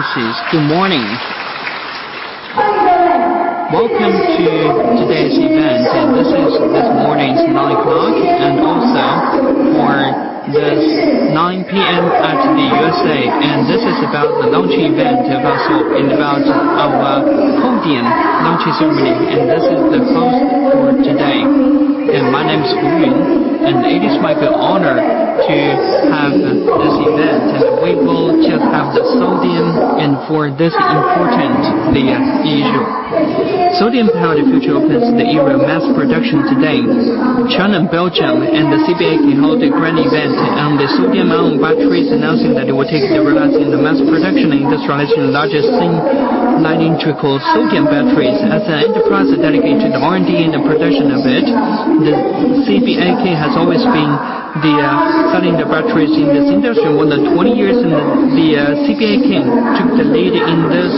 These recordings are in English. Dear all our partners and audiences, good morning! Welcome to today's event, this is this morning's 9:00 A.M., and also for this 9:00 P.M. at the USA. This is about the launching event, and also in about of sodium launching ceremony. This is the host for today. My name is Guoyun, and it is my honor to have this event. We will just have the sodium and for this important, the issue. Sodium-powered future opens the era of mass production today. China and Belgium and CBAK held a grand event on the sodium-ion batteries, announcing that it will take the realizing the mass production and industrializing the largest thin 9-inch called sodium batteries. As an enterprise dedicated to the R&D and the production of it, CBAK has always been the selling the batteries in this industry more than 20 years. CBAK took the lead in this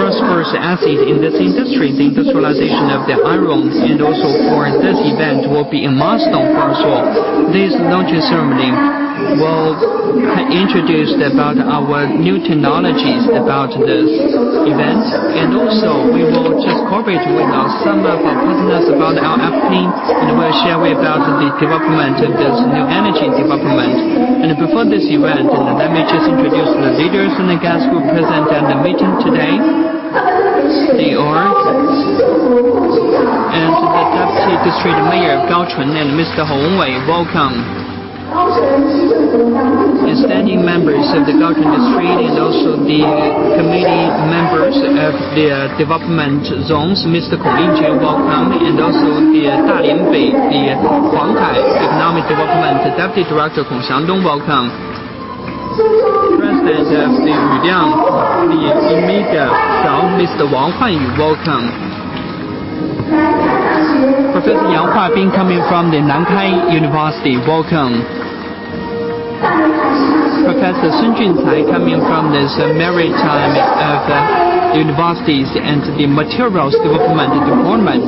transverse acid in this industry, the industrialization of the iron, and also for this event will be a milestone for us all. This launching ceremony will introduce about our new technologies about this event, and also we will just cooperate with some of our partners about our effort, and we'll share with you about the development of this new energy development. Before this event, let me just introduce the leaders and the guests who present at the meeting today. They are... The Deputy District Mayor of Gaochun, Mr. Hongwei, welcome. The standing members of the Gaochun District and also the committee members of the development zones, Mr. Kongjin, welcome, and also the Dalian Bay Huangtai Economic Development Deputy Director Kong Xiangdong, welcome. President of the Yuliang, the media from Mr. Wang Huanyu, welcome. Professor Yang Huabin, coming from the Nankai University, welcome. Professor Sun Juncai, coming from this Maritime University and the Materials Development Department.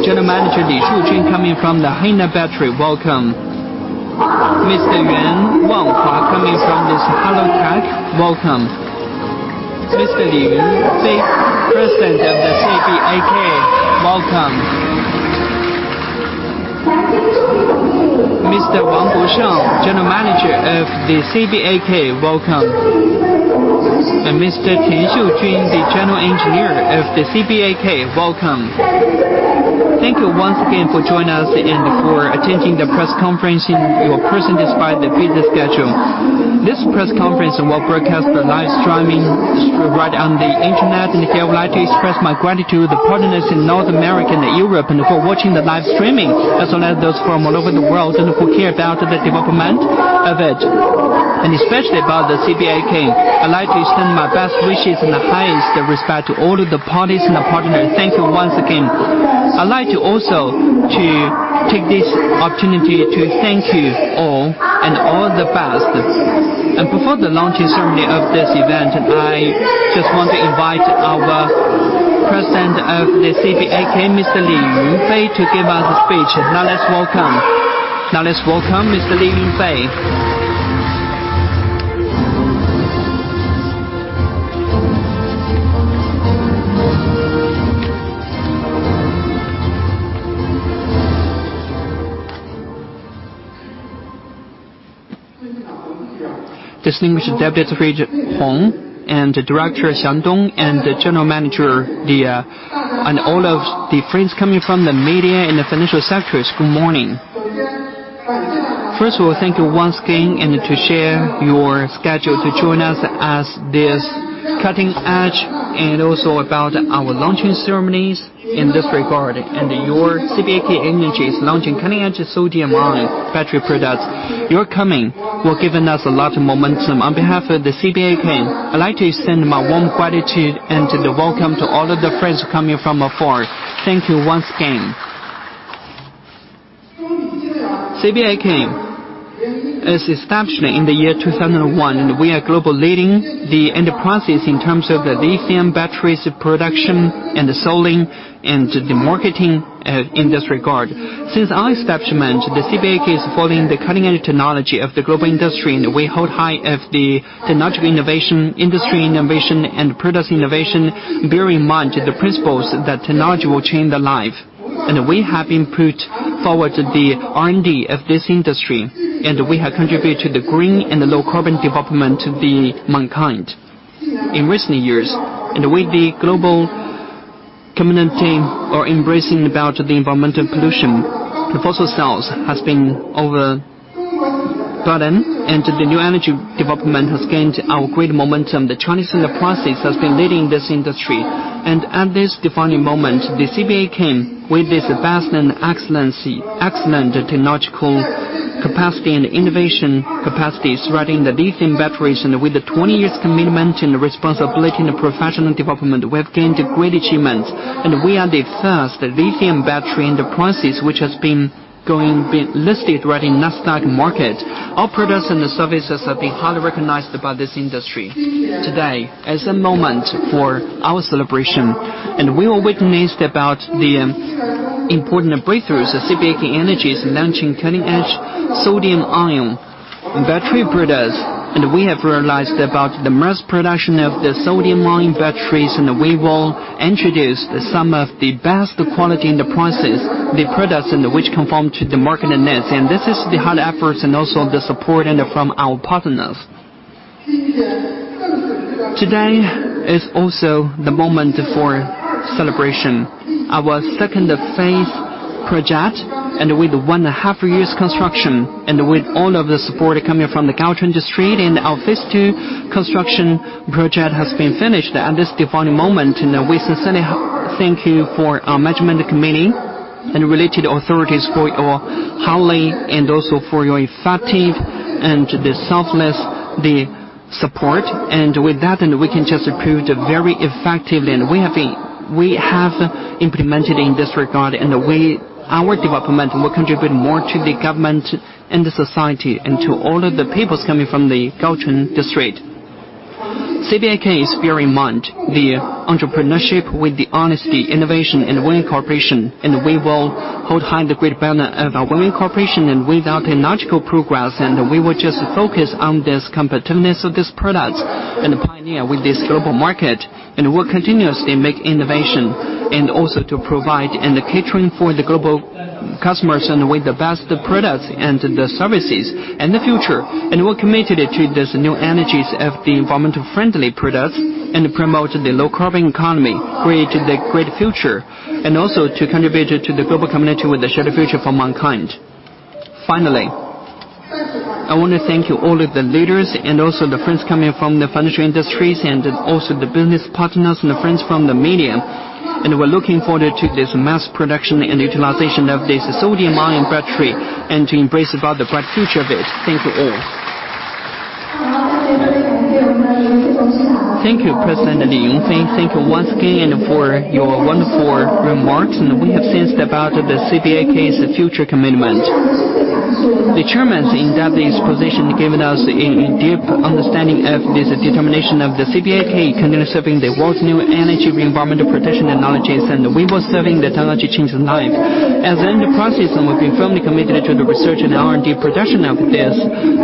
General Manager Li Shujun, coming from the HiNa Battery, welcome. Mr. Yuan Wangfa, coming from this Hello Tech, welcome. Mr. Li Yunfei, President of the CBAK, welcome. Mr. Wang Bosheng, General Manager of the CBAK, welcome. Mr. Tian Xiujun, the General Engineer of the CBAK, welcome. Thank you once again for joining us and for attending the press conference, and your presence despite the busy schedule. This press conference will broadcast the live streaming right on the internet. I would like to express my gratitude to the partners in North America and Europe, and for watching the live streaming, as well as those from all over the world, and who care about the development of it, and especially about the CBAK. I'd like to extend my best wishes and the highest respect to all of the parties and the partners. Thank you once again. I'd like to also to take this opportunity to thank you all, and all the best. Before the launching ceremony of this event, I just want to invite our President of the CBAK, Mr. Li Yunfei, to give us a speech. Now, let's welcome Mr. Li Yunfei. Distinguished Deputy Hong, and Director Xiangdong, and the General Manager, and all of the friends coming from the media and the financial sectors, good morning. First of all, thank you once again, and to share your schedule to join us as this cutting-edge, and also about our launching ceremonies in this regard. CBAK Energy is launching cutting-edge sodium-ion battery products. Your coming will given us a lot of momentum. On behalf of the CBAK, I'd like to extend my warm gratitude and welcome to all of the friends coming from afar. Thank you once again. CBAK is established in the year 2001, and we are global leading the enterprises in terms of the lithium batteries production, and the selling, and the marketing in this regard. Since our establishment, the CBAK is following the cutting-edge technology of the global industry, and we hold high of the technological innovation, industry innovation, and product innovation, bearing in mind the principles that technology will change the life. We have improved forward the R&D of this industry, and we have contributed to the green and the low carbon development to the mankind. In recent years, with the global community are embracing about the environmental pollution, the fossil cells has been over burden, the new energy development has gained our great momentum. The Chinese enterprises has been leading this industry. At this defining moment, CBAK, with its vast and excellent technological capacity and innovation capacities, right in the lithium batteries, with the 20 years commitment and responsibility, professional development, we have gained great achievements. We are the first lithium battery enterprises, which has been listed right in Nasdaq. Our products and the services have been highly recognized by this industry. Today, is a moment for our celebration, we will witnessed about the important breakthroughs of CBAK Energy, launching cutting-edge sodium-ion battery products. We have realized about the mass production of the sodium-ion batteries, and we will introduce some of the best quality in the processes, the products, and which conform to the market needs. This is the hard efforts and also the support and from our partners. Today is also the moment for celebration. Our second phase project, and with 1 and a half years construction, and with all of the support coming from the Gaochun District and our phase 2 construction project has been finished. At this defining moment, we sincerely thank you for our management committee and related authorities for your highly and also for your effective and the selfless, the support. With that, then we can just prove it very effectively, we have implemented in this regard, we, our development will contribute more to the government and the society, to all of the peoples coming from the Gaochun District. CBAK is bear in mind the entrepreneurship with the honesty, innovation, and winning cooperation, we will hold high the great banner of our winning cooperation with our technological progress, we will just focus on this competitiveness of this product pioneer with this global market, we're continuously make innovation, also to provide and catering for the global customers with the best products and the services in the future. We're committed to this new energies of the environmental-friendly products, and promote the low carbon economy, create the great future, and also to contribute to the global community with a shared future for mankind. Finally, I want to thank you, all of the leaders and also the friends coming from the financial industries and also the business partners and the friends from the media, and we're looking forward to this mass production and utilization of this sodium-ion battery, and to embrace about the bright future of it. Thank you all. Thank you, President Li Yunfei. Thank you once again for your wonderful remarks, and we have sensed about the CBAK's future commitment. The chairman's in-depth exposition given us a deep understanding of this determination of the CBAK continuing serving the world's new energy environmental protection technologies, and we will serving the technology change life. As in the process, we've been firmly committed to the research and R&D production of these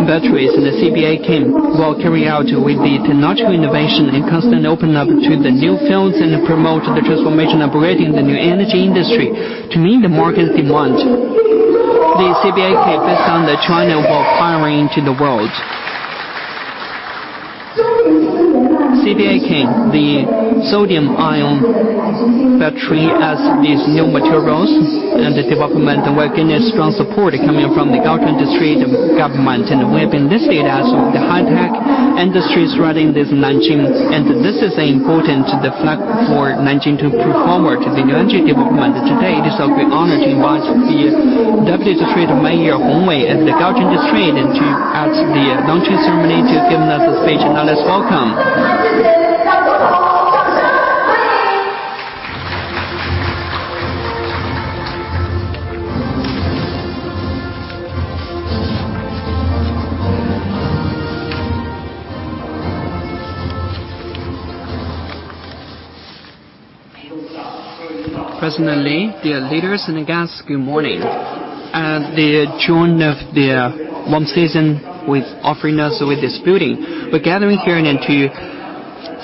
batteries. The CBAK will carry out with the technological innovation and constant open up to the new fields and promote the transformation, upgrading the new energy industry to meet the market's demand. The CBAK based on the China will firing into the world. CBAK, the sodium-ion battery as these new materials and the development and we are getting a strong support coming from the Gaochun District government, and we have been listed as the high-tech industries running this Nanjing. This is important to the flag for Nanjing to move forward the new energy development. Today, it is a great honor to invite the Deputy District Mayor Hong Wei of the Gaochun District, and to at the launching ceremony to give us a speech. Now, let's welcome. President Li, dear leaders and guests, good morning. The join of the warm season with offering us with this building. We're gathering here and to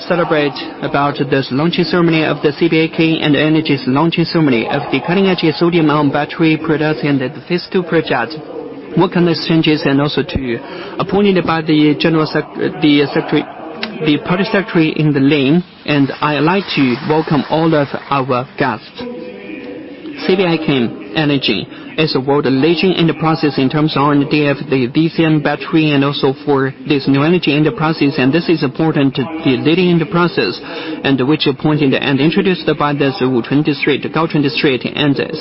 celebrate about this launching ceremony of the CBAK Energy's launching ceremony of the cutting-edge sodium-ion battery products and the phase two project. Welcome the strangers, also to appointed by the general the secretary, the party secretary in the lane, I'd like to welcome all of our guests. CBAK Energy is a world-leading in the process in terms of R&D of the lithium battery, also for this new energy in the process, this is important, the leading in the process, which appointed and introduced by the Wu District, Gaochun District.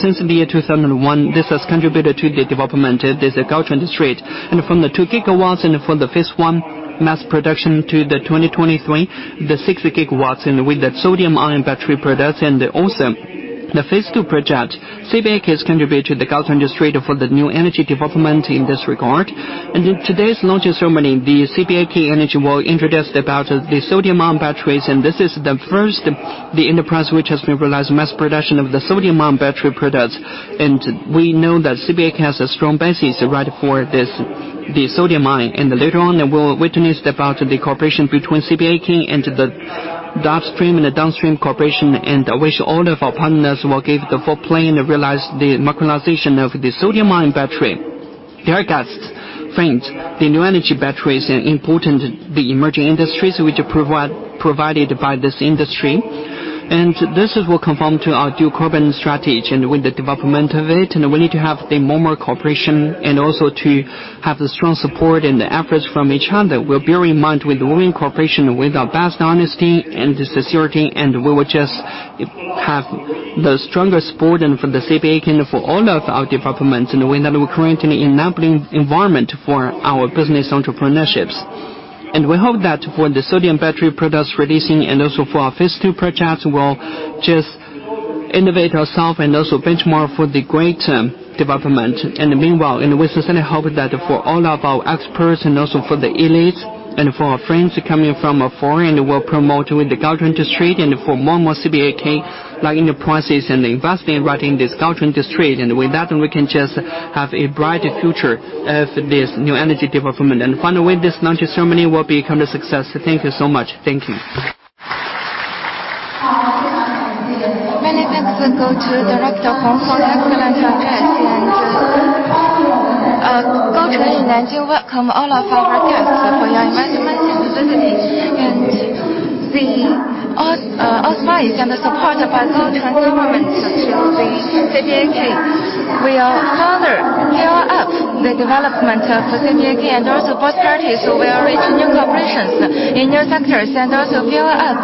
Since the year 2001, this has contributed to the development of this Gaochun District. From the 2 gigawatts and for the Phase 1 mass production to the 2023, the 6 gigawatts, and with the sodium-ion battery products and also the Phase 2 project, CBAK has contributed to the Gaochun District for the new energy development in this regard. In today's launching ceremony, CBAK Energy will introduce about the sodium-ion batteries, and this is the first enterprise which has been realized mass production of the sodium-ion battery products. We know that CBAK has a strong basis right for this, the sodium-ion. Later on, we'll witness about the cooperation between CBAK and the downstream cooperation, and I wish all of our partners will give the full play and realize the commercialization of the sodium-ion battery. Dear guests, friends, the new energy batteries are important, the emerging industries, which are provided by this industry. This is what confirm to our dual carbon strategy. With the development of it, we need to have more cooperation and also to have the strong support and the efforts from each other. We'll bear in mind with winning cooperation, with our best honesty and sincerity. We will just have the strongest support then from the CBAK and for all of our developments in the way that we're creating an enabling environment for our business entrepreneurships. We hope that for the sodium battery products releasing and also for our phase two projects, we'll just innovate ourself and also benchmark for the great development. Meanwhile, we sincerely hope that for all of our experts and also for the elites and for our friends coming from abroad, will promote with the Gaochun District and for more CBAK, like enterprises and investment right in this Gaochun District. With that, we can just have a bright future of this new energy development. Finally, this launching ceremony will become a success. Thank you so much. Thank you. Many thanks go to Director Hong for excellent address, and welcome, and I do welcome all of our guests for your investment and visiting. The all advice and support by the government to the CBAK will further fuel up the development of the CBAK, and also both parties will reach new collaborations in new sectors, and also fuel up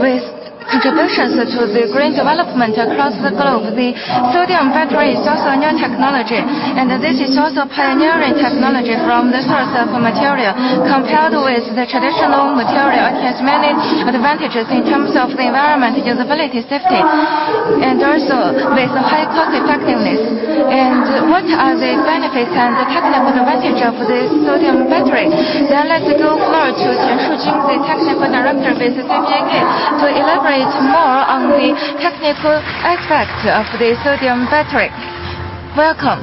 with contributions to the green development across the globe. The sodium battery is also a new technology, and this is also pioneering technology from the source of material. Compared with the traditional material, it has many advantages in terms of the environment, usability, safety, and also with high cost effectiveness. What are the benefits and the technical advantage of this sodium battery? Let's go forward to Tian Xiujun, the Technical Director with CBAK, to elaborate more on the technical aspect of the sodium battery. Welcome.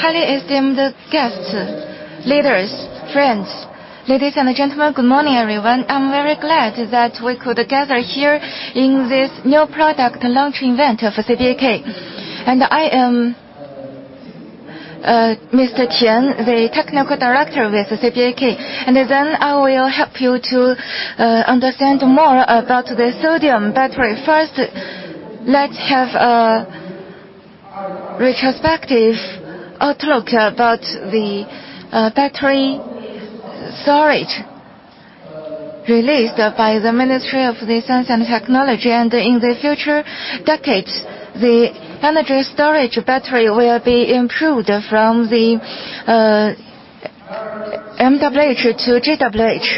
Highly esteemed guests, leaders, friends, ladies and gentlemen, good morning, everyone. I'm very glad that we could gather here in this new product launch event of CBAK. I am Mr. Tian, the Technical Director with the CBAK. I will help you to understand more about the sodium battery. First, let's have a retrospective outlook about the battery storage released by the Ministry of Science and Technology. In the future decades, the energy storage battery will be improved from the MWh to GWh.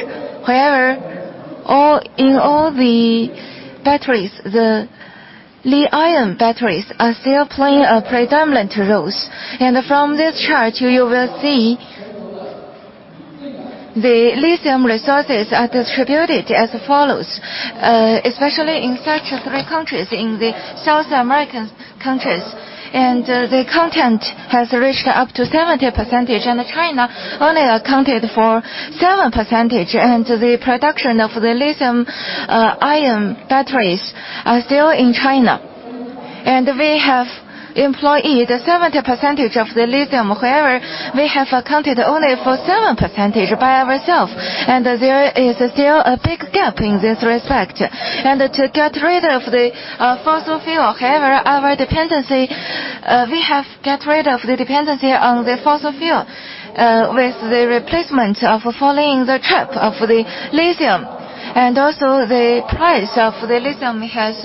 However, in all the batteries, the Li-ion batteries are still playing a predominant role. From this chart, you will see the lithium resources are distributed as follows, especially in such three countries, in the South American countries. The content has reached up to 70%, China only accounted for 7%, and the production of the lithium ion batteries are still in China. We have employed 70% of the lithium; however, we have accounted only for 7% by ourself. There is still a big gap in this respect. We have get rid of the dependency on the fossil fuel with the replacement of following the trap of the lithium. Also, the price of the lithium has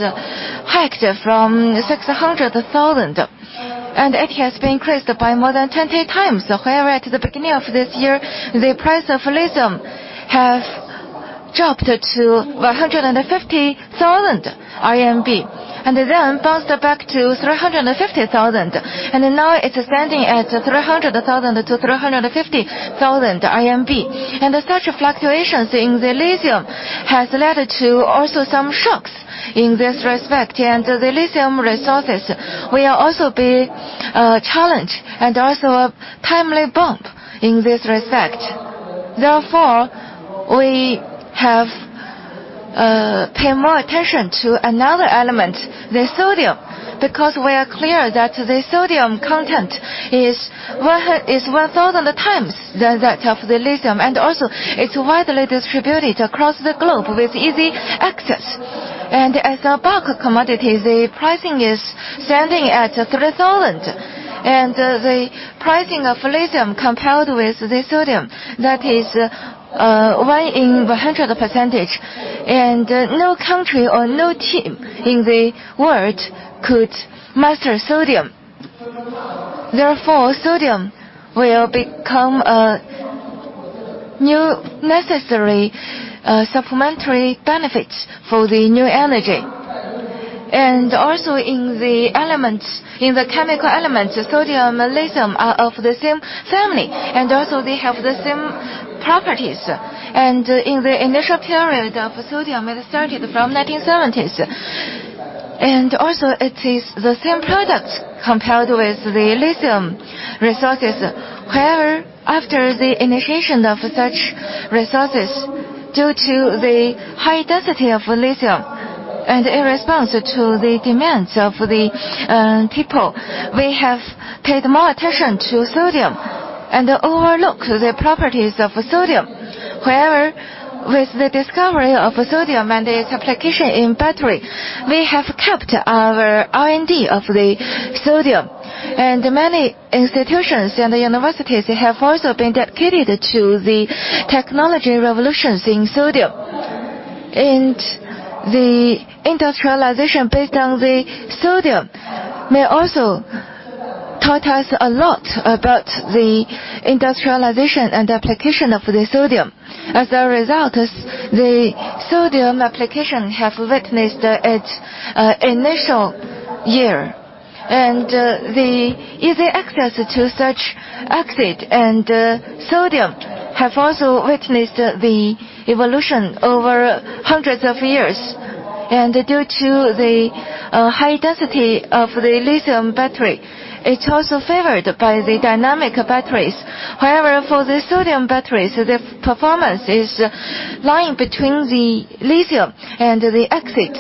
hiked from 600,000. It has been increased by more than 20 times. However, at the beginning of this year, the price of lithium has dropped to 150,000 RMB, and then bounced back to 350,000. Now it's standing at 300,000-350,000 RMB. Such fluctuations in the lithium has led to also some shocks in this respect, and the lithium resources will also be challenged, and also a timely bump in this respect. Therefore, we have pay more attention to another element, the sodium, because we are clear that the sodium content is 1,000 times than that of the lithium, and also it's widely distributed across the globe with easy access. As a bulk commodity, the pricing is standing at 3,000, the pricing of lithium compared with the sodium, that is, one in 100 percentage, no country or no team in the world could master sodium. Therefore, sodium will become a new necessary supplementary benefit for the new energy. Also, in the elements, in the chemical elements, sodium and lithium are of the same family, they have the same properties. In the initial period of sodium, it started from the 1970s, it is the same product compared with the lithium resources. However, after the initiation of such resources, due to the high density of lithium and in response to the demands of the people, we have paid more attention to sodium and overlooked the properties of sodium. With the discovery of sodium and its application in battery, we have kept our R&D of the sodium. Many institutions and universities have also been dedicated to the technology revolutions in sodium. The industrialization based on the sodium may also taught us a lot about the industrialization and application of the sodium. As a result, the sodium application have witnessed its initial year, and the easy access to such oxide and sodium have also witnessed the evolution over hundreds of years. Due to the high density of the lithium battery, it's also favored by the dynamic batteries. For the sodium batteries, the performance is lying between the lithium and the exit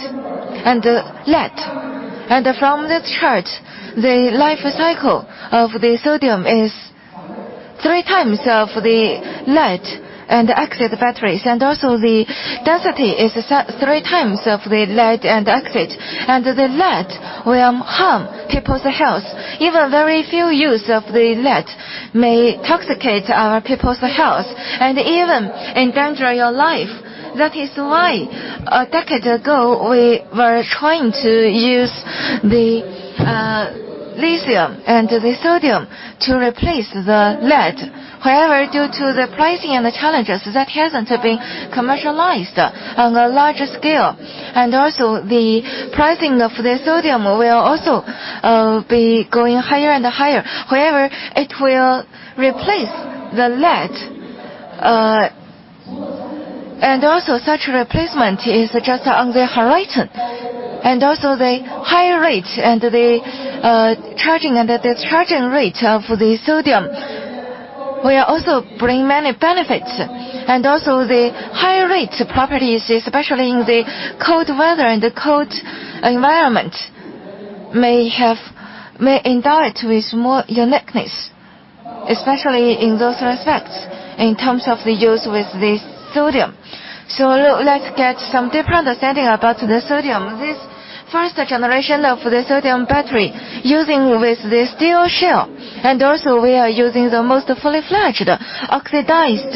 and lead. From the chart, the life cycle of the sodium is three times of the lead-acid batteries, Also, the density is three times of the lead-acid. The lead will harm people's health. Even very few use of the lead may intoxicate our people's health and even endanger your life. That is why a decade ago, we were trying to use the lithium and the sodium to replace the lead. However, due to the pricing and the challenges, that hasn't been commercialized on a larger scale. Also, the pricing of the sodium will also be going higher and higher. However, it will replace the lead. Also, such replacement is just on the horizon. Also, the higher rate and the charging and discharging rate of the sodium will also bring many benefits. The high rate properties, especially in the cold weather and the cold environment, may endure it with more uniqueness, especially in those aspects, in terms of the use with the sodium. Let's get some different understanding about the sodium. This first generation of the sodium battery, using with the steel shell, we are using the most fully-fledged oxidized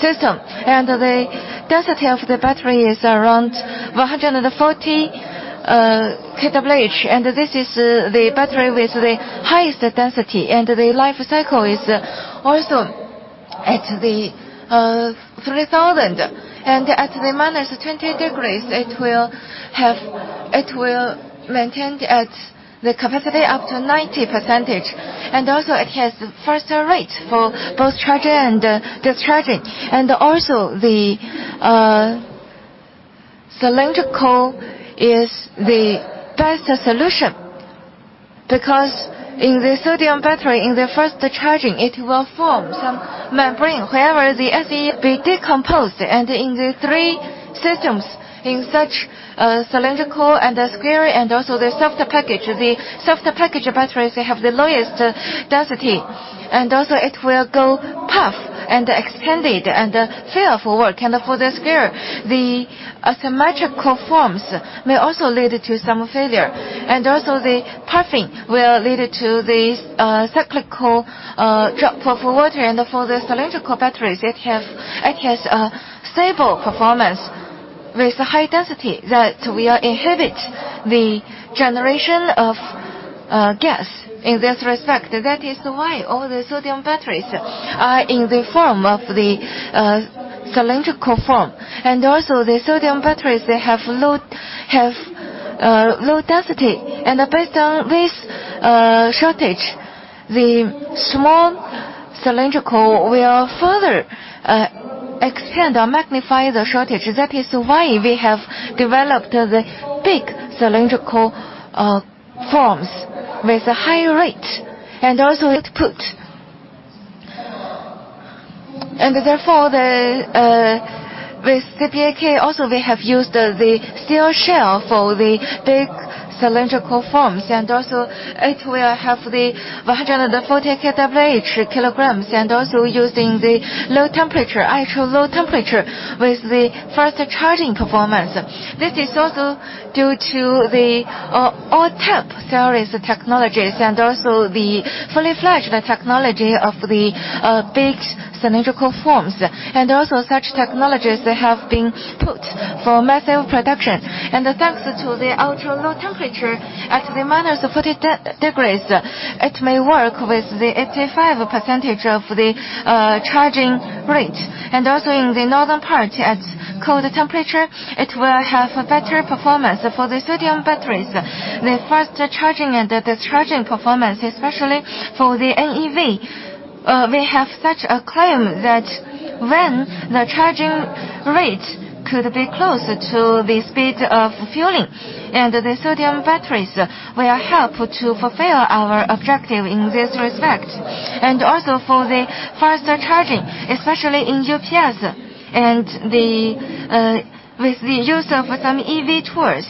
system, and the density of the battery is around 140 kWh, and this is the battery with the highest density, and the life cycle is also at 3,000. At the minus 20 degrees, it will maintain at the capacity up to 90%. It has the faster rate for both charging and discharging. The cylindrical is the best solution because in the sodium battery, in the first charging, it will form some membrane. However, the SEI decomposed, in the three systems, in such a cylindrical and a square, the soft package batteries, they have the lowest density. It will go puff and expanded, and fail forward. The square, the asymmetrical forms may also lead to some failure, the puffing will lead to the cyclical drop of water. The cylindrical batteries, it has a stable performance with a high density that will inhibit the generation of gas in this respect. That is why all the sodium batteries are in the form of the cylindrical form. The sodium batteries, they have low density. Based on this shortage, the small cylindrical will further extend or magnify the shortage. That is why we have developed the big cylindrical forms with a high rate and also output. Therefore, with CBAK also, we have used the steel shell for the big cylindrical forms, and also it will have the 140 kWh kilograms, and also using the low temperature, ultra-low temperature, with the faster charging performance. This is also due to the all-tab series technologies and also the fully-fledged technology of the big cylindrical forms. Such technologies have been put for massive production. Thanks to the ultra-low temperature, at the minus 40 degrees, it may work with the 85% of the charging rate. Also in the northern part, at cold temperature, it will have a better performance for the sodium batteries. The faster charging and the discharging performance, especially for the NEV, we have such a claim that when the charging rate could be closer to the speed of fueling, and the sodium batteries will help to fulfill our objective in this respect. Also for the faster charging, especially in UPS and with the use of some EV tours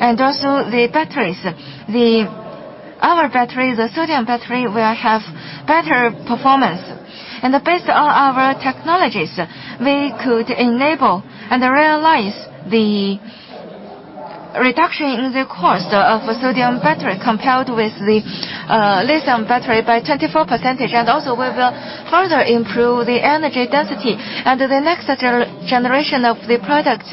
and also the batteries. Our battery, the sodium battery, will have better performance. Based on our technologies, we could enable and realize the reduction in the cost of a sodium battery compared with the lithium battery by 24%, and also we will further improve the energy density. The next generation of the product,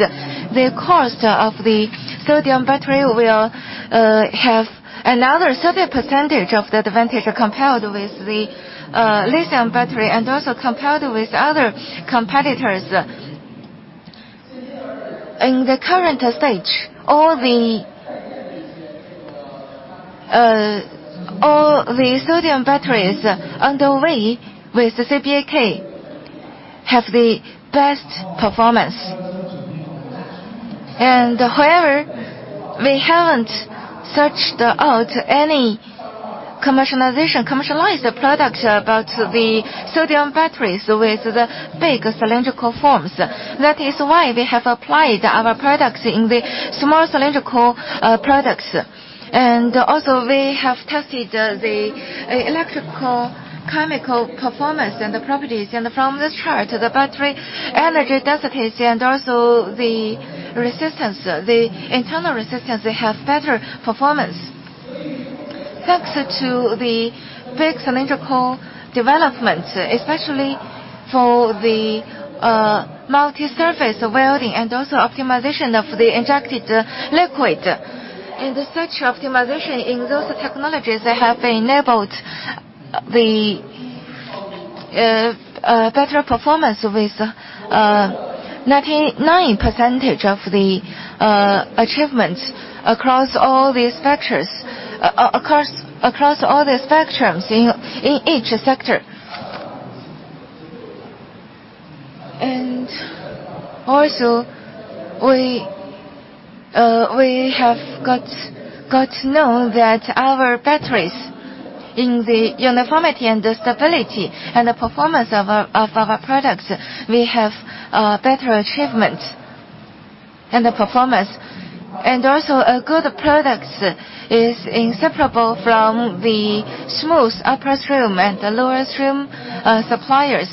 the cost of the sodium battery will have another 30% of the advantage compared with the lithium battery and also compared with other competitors. In the current stage, all the sodium batteries underway with the CBAK have the best performance. However, we haven't searched out any commercialized product about the sodium batteries with the big cylindrical forms. That is why we have applied our products in the small cylindrical products. Also, we have tested the electrical chemical performance and the properties. From this chart, the battery energy densities and also the resistance, the internal resistance, they have better performance. Thanks to the big cylindrical development, especially for the multi-surface welding and also optimization of the injected liquid. Such optimization in those technologies, they have enabled the better performance with 99% of the achievements across all these factors, across all the spectrums in each sector. Also, we have got to know that our batteries in the uniformity and the stability and the performance of our products, we have better achievement and the performance. Also, a good product is inseparable from the smooth upstream and downstream suppliers.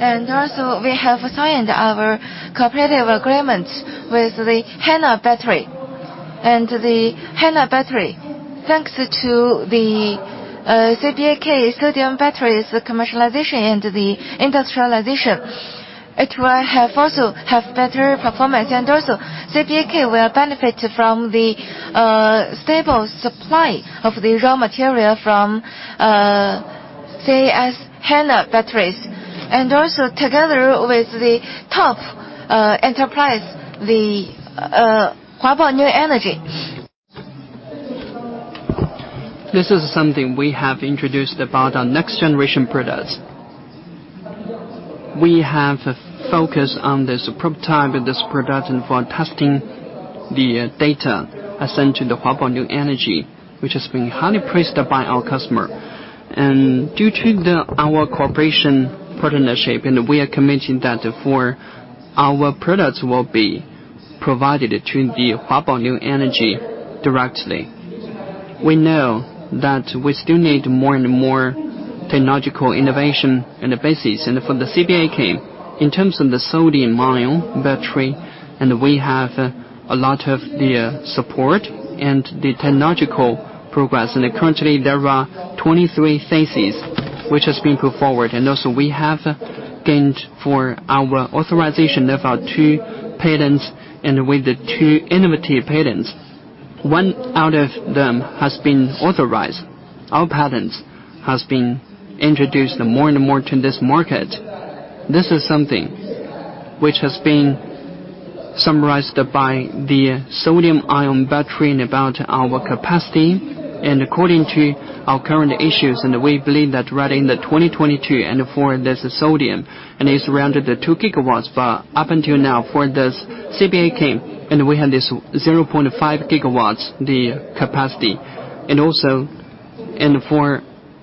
Also, we have signed our cooperative agreements with the HiNa Battery. The HiNa Battery, thanks to the CBAK sodium batteries commercialization and the industrialization, it will also have better performance. CBAK will benefit from the stable supply of the raw material from HiNa Battery, and also together with the top enterprise, the Huabao New Energy. This is something we have introduced about our next generation products. We have focused on this prototype of this product, and for testing the data as sent to Huabao New Energy, which has been highly praised by our customer. Due to our cooperation partnership, and we are committing that for our products will be provided to Huabao New Energy directly. We know that we still need more and more technological innovation and the basis, and for the CBAK, in terms of the sodium-ion battery, and we have a lot of the support and the technological progress. Currently, there are 23 phases which has been put forward, also, we have gained for our authorization of our 2 patents, and with the 2 innovative patents, 1 out of them has been authorized. Our patents has been introduced more and more to this market. This is something which has been summarized by the sodium-ion battery and about our capacity, and according to our current issues, and we believe that right in 2022, and for this sodium, and it's around 2 gigawatts, but up until now, for this CBAK, and we have this 0.5 gigawatts, the capacity.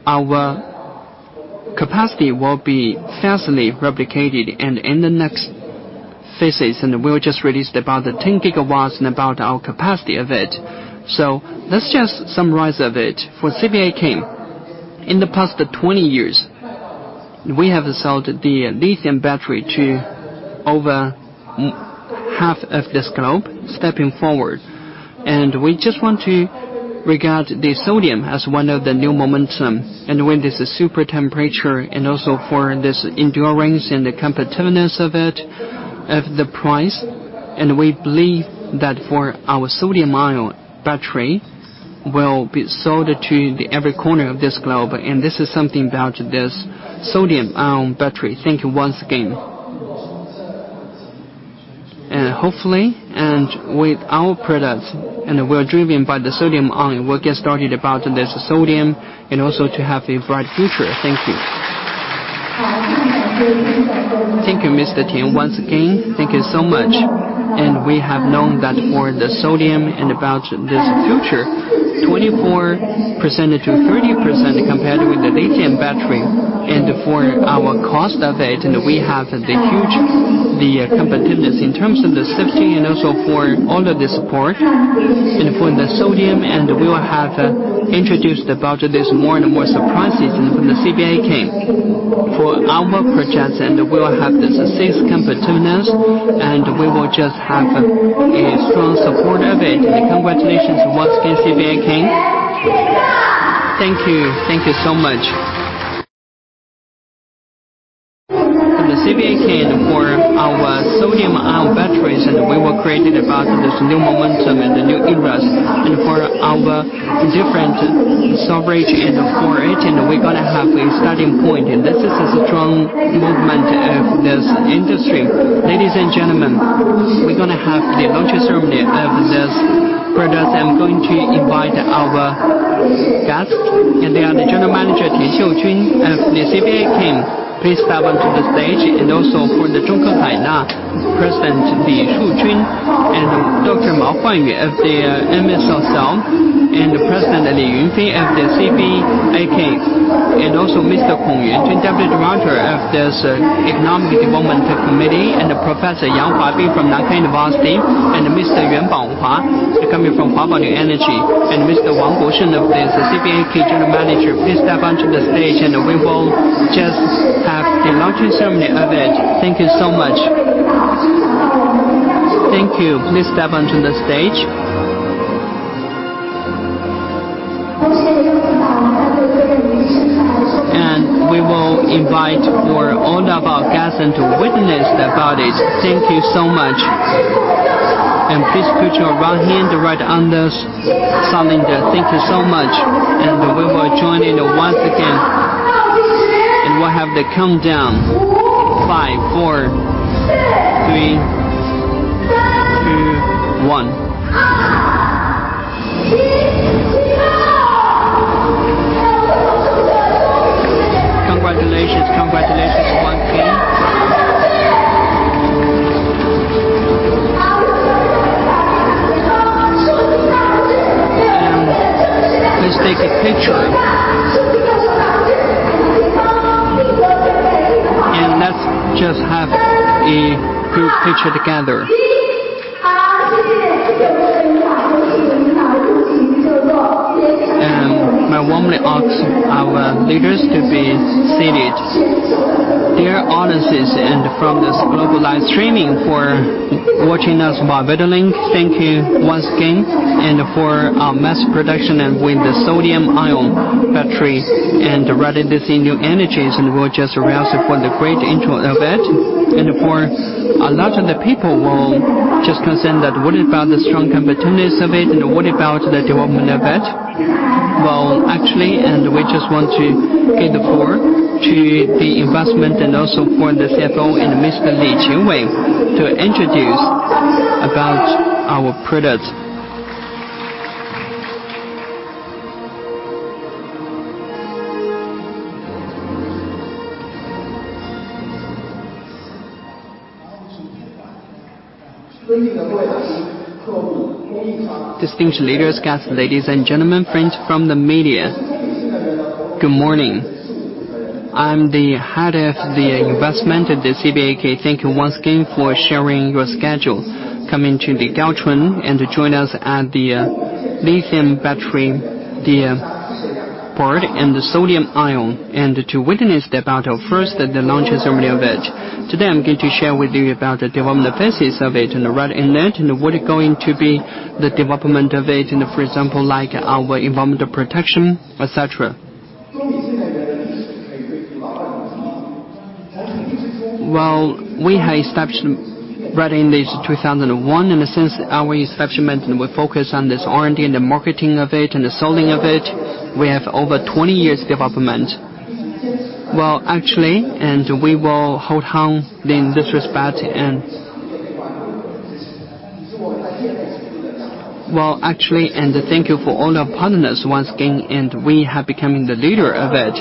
Our capacity will be fastly replicated, and in the next phases, we will just released about 10 gigawatts and about our capacity of it. Let's just summarize of it. For CBAK, in the past 20 years, we have sold the lithium battery to over half of this globe, stepping forward. We just want to regard the sodium as one of the new momentum, and when there's a super temperature, and also for this endurance and the competitiveness of it, of the price, and we believe that for our sodium-ion battery will be sold to the every corner of this globe. This is something about this sodium-ion battery. Thank you once again. Hopefully, with our products, and we're driven by the sodium-ion, we'll get started about this sodium and also to have a bright future. Thank you. Thank you, Mr. Tian. Once again, thank you so much. We have known that for the sodium and about this future, 24%-30% compared with the lithium battery, for our cost of it, we have the huge, the competitiveness in terms of the safety and also for all of the support and for the sodium, we will have introduced about this more and more surprises in the CBAK. For our projects, we will have this safe competitiveness, we will just have a strong support of it. Congratulations once again, CBAK. Thank you. Thank you so much. For the CBAK, for our sodium-ion batteries, we were created about this new momentum and the new eras, for our different- sovereignty and for it, and we're gonna have a starting point, and this is a strong movement of this industry. Ladies and gentlemen, we're gonna have the launch ceremony of this product. I'm going to invite our guests, and they are the General Manager, Tian Xiujun of the CBAK. Please step on to the stage, and also for the Zhongke Haina, President Li Shujun, and Dr. Mao Huanyu of the MSL Cell, and the President Li Yunfei of the CBAK, and also Mr. Kong Yuntin, Deputy Director of this Economic Development Committee, and Professor Yang Huabin from Nankai University, and Mr. Yuanbang Hua, coming from Huabao New Energy, and Mr. Wang Guosheng of this CBAK General Manager. Please step on to the stage, and we will just have the launching ceremony of it. Thank you so much. Thank you. Please step on to the stage. We will invite all of our guests and to witness about it. Thank you so much. Please put your right hand right on the cylinder. Thank you so much. We will join in once again. We'll have the countdown. 5, 4, 3, 2, 1. Congratulations. Congratulations, once again. Please take a picture. Let's just have a group picture together. I warmly ask our leaders to be seated. Dear audiences, from this global live streaming for watching us by video link, thank you once again. For our mass production, with the sodium-ion battery, and rather this new energies, we'll just announce for the great intro of it. For a lot of the people will just concern that, what about the strong competitiveness of it? What about the development of it? Well, actually, we just want to give the floor to the investment and also for the CFO and Mr. Jiewei Li, to introduce about our product. Distinguished leaders, guests, ladies and gentlemen, friends from the media, good morning. I'm the head of the investment at the CBAK. Thank you once again for sharing your schedule, coming to the Gaochun, and to join us at the lithium battery, the board, and the sodium ion, and to witness the about of first, the launch ceremony of it. Today, I'm going to share with you about the development phases of it, and right in that, and what is going to be the development of it, and for example, like our environmental protection, et cetera. Well, we have established right in this 2001, since our establishment, we're focused on this R&D and the marketing of it, and the selling of it, we have over 20 years development. Well, actually, thank you for all our partners once again, we have becoming the leader of it.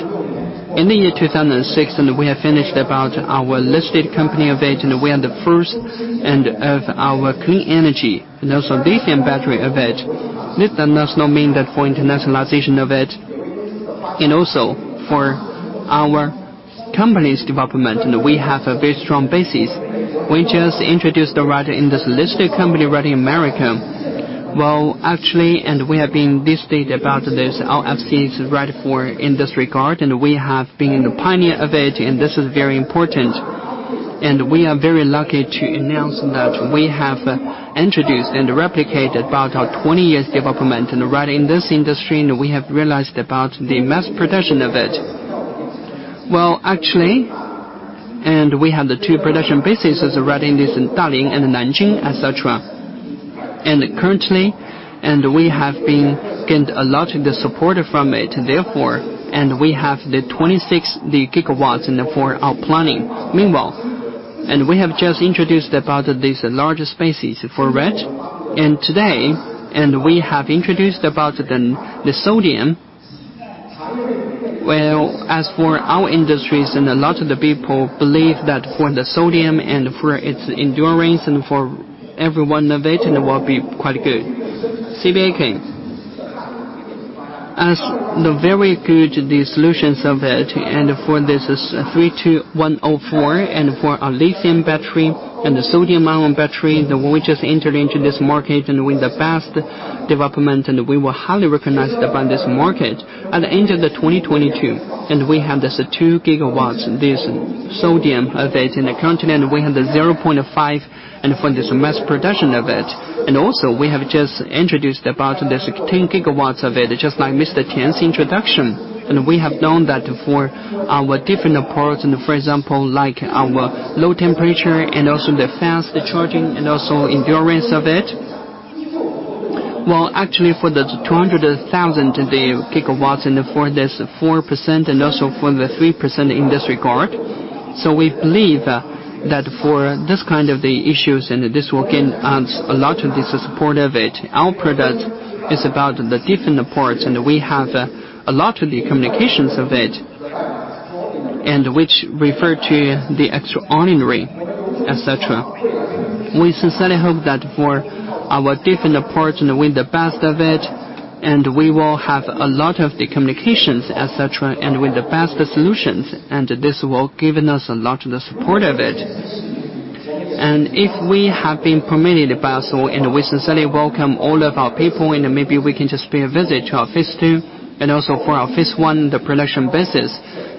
In the year 2006, we have finished about our listed company event, we are the first, of our clean energy and also lithium battery event. This does not mean that for internationalization of it, also for our company's development, we have a very strong basis. We just introduced right in this listed company, right in America. Well, actually, we have been listed about this RFC, right, for in this regard, and we have been the pioneer of it, and this is very important. We are very lucky to announce that we have introduced and replicated about our 20 years development, and right in this industry, and we have realized about the mass production of it. Well, actually, we have the 2 production bases right in this, Dalian and Nanjing, et cetera. Currently, we have been gained a lot of the support from it, therefore, and we have the 26 gigawatts for our planning. Meanwhile, we have just introduced about this large spaces for rent, today, we have introduced about the sodium. Well, as for our industries, a lot of the people believe that for the sodium and for its endurance and for everyone of it, and it will be quite good. CBAK. As the very good, the solutions of it, for this is 32140, for our lithium battery and the sodium-ion battery, we just entered into this market, with the fast development, we were highly recognized by this market. At the end of 2022, we have this 2 GWh, this sodium of it, currently, we have the 0.5, for this mass production of it. Also, we have just introduced about this 10 GWh of it, just like Mr. Tian's introduction. We have done that for our different products, for example, like our low temperature and also the fast charging and also endurance of it. Well, actually, for the 200,000 gigawatts, for this 4% and also for the 3% in this regard. We believe that for this kind of the issues, this will gain us a lot of this support of it. Our product is about the different parts, we have a lot of the communications of it, which refer to the extraordinary, et cetera. We sincerely hope that for our different parts, with the best of it, we will have a lot of the communications, et cetera, with the best solutions, this will given us a lot of the support of it. If we have been permitted by us all, and we sincerely welcome all of our people, and maybe we can just pay a visit to our phase 2, and also for our phase 1, the production business,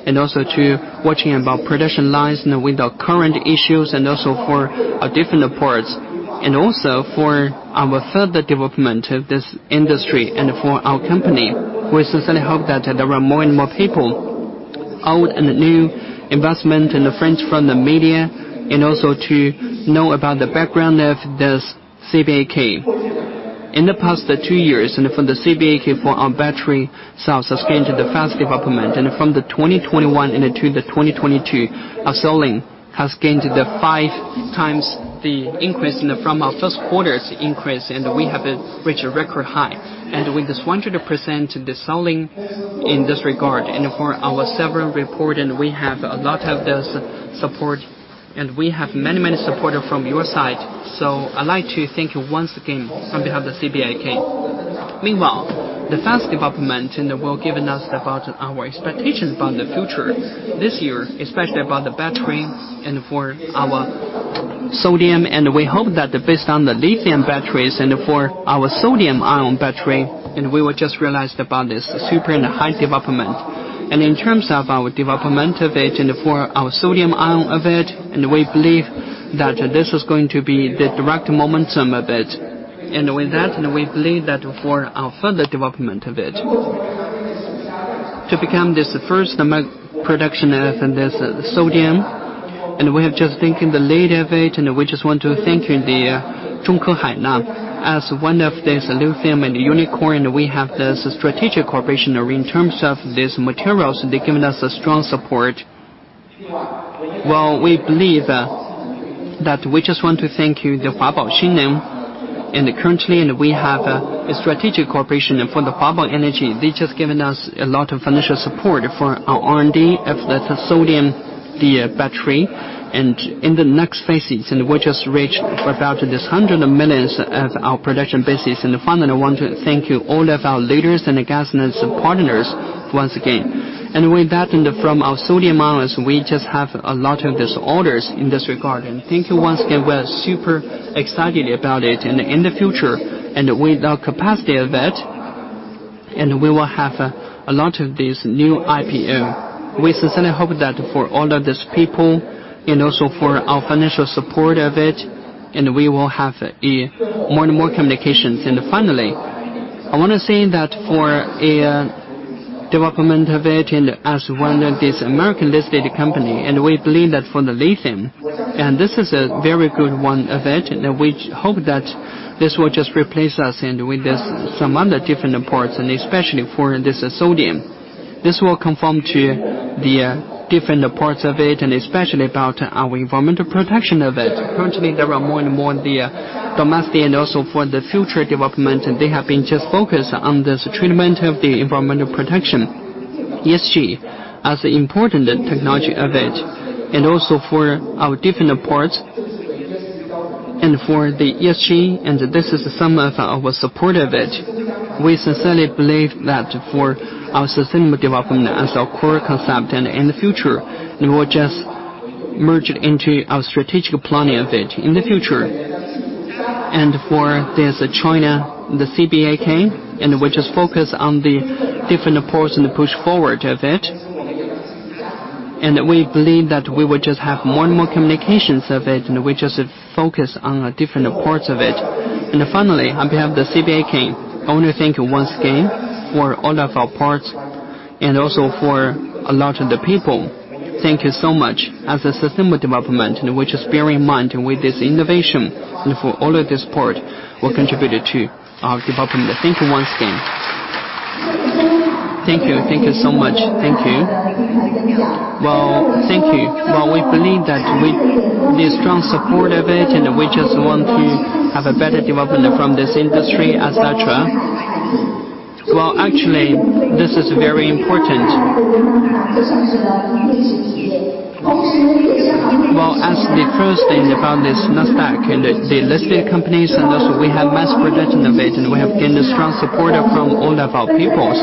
and also to watching about production lines and with our current issues, and also for our different parts. For our further development of this industry and for our company, we sincerely hope that there are more and more people, old and new, investment, and the friends from the media, and also to know about the background of this CBAK. In the past two years, and from the CBAK for our battery cells has gained the fast development, and from the 2021 into the 2022, our selling has gained the five times the increase in from our first quarter's increase, and we have reached a record high. With this 100%, the selling in this regard, and for our several report, and we have a lot of this support, and we have many supporter from your side. I'd like to thank you once again on behalf of the CBAK. Meanwhile, the fast development in the world given us about our expectations about the future this year, especially about the battery and for our sodium, and we hope that based on the lithium batteries and for our sodium-ion battery, and we will just realized about this super and high development. In terms of our development of it, and for our sodium-ion of it, and we believe that this is going to be the direct momentum of it. With that, we believe that for our further development of it, to become this first among production of, and this sodium, we have just thinking the lead of it, we just want to thank you, the Zhongke Hainan. As one of this lithium and unicorn, we have this strategic cooperation in terms of these materials, they've given us a strong support. We believe that we just want to thank you, the Huabao Xinneng. Currently, we have a strategic cooperation for the Huabao Energy. They just given us a lot of financial support for our R&D of the sodium, the battery. In the next phases, we just reached for about this 100 of millions of our production business. Finally, I want to thank you all of our leaders and guests and partners once again. With that, from our sodium-ion, we just have a lot of these orders in this regard. Thank you once again. We're super excited about it, in the future, with our capacity of it, we will have a lot of these new IPO. We sincerely hope that for all of these people, also for our financial support of it, we will have more and more communications. Finally, I wanna say that for a development of it, as one of these American-listed company, we believe that for the lithium, this is a very good one of it, we hope that this will just replace us with this some other different parts, especially for this sodium. This will conform to the different parts of it, especially about our environmental protection of it. Currently, there are more and more the domestic and also for the future development. They have been just focused on this treatment of the environmental protection, ESG, as an important technology of it, and also for our different parts and for the ESG. This is some of our support of it. We sincerely believe that for our sustainable development as our core concept. In the future, we will just merge it into our strategic planning of it in the future. For this China, the CBAK. We just focus on the different parts and push forward of it. We believe that we will just have more and more communications of it. We just focus on the different parts of it. Finally, on behalf of the CBAK, I want to thank you once again for all of our parts and also for a lot of the people. Thank you so much. As a sustainable development, we just bear in mind with this innovation and for all of this part, will contribute to our development. Thank you once again. Thank you. Thank you so much. Thank you. Thank you. We believe that with the strong support of it, we just want to have a better development from this industry, et cetera. Actually, this is very important. As the first thing about this Nasdaq and the listed companies, we have mass production of it, we have gained a strong support from all of our peoples.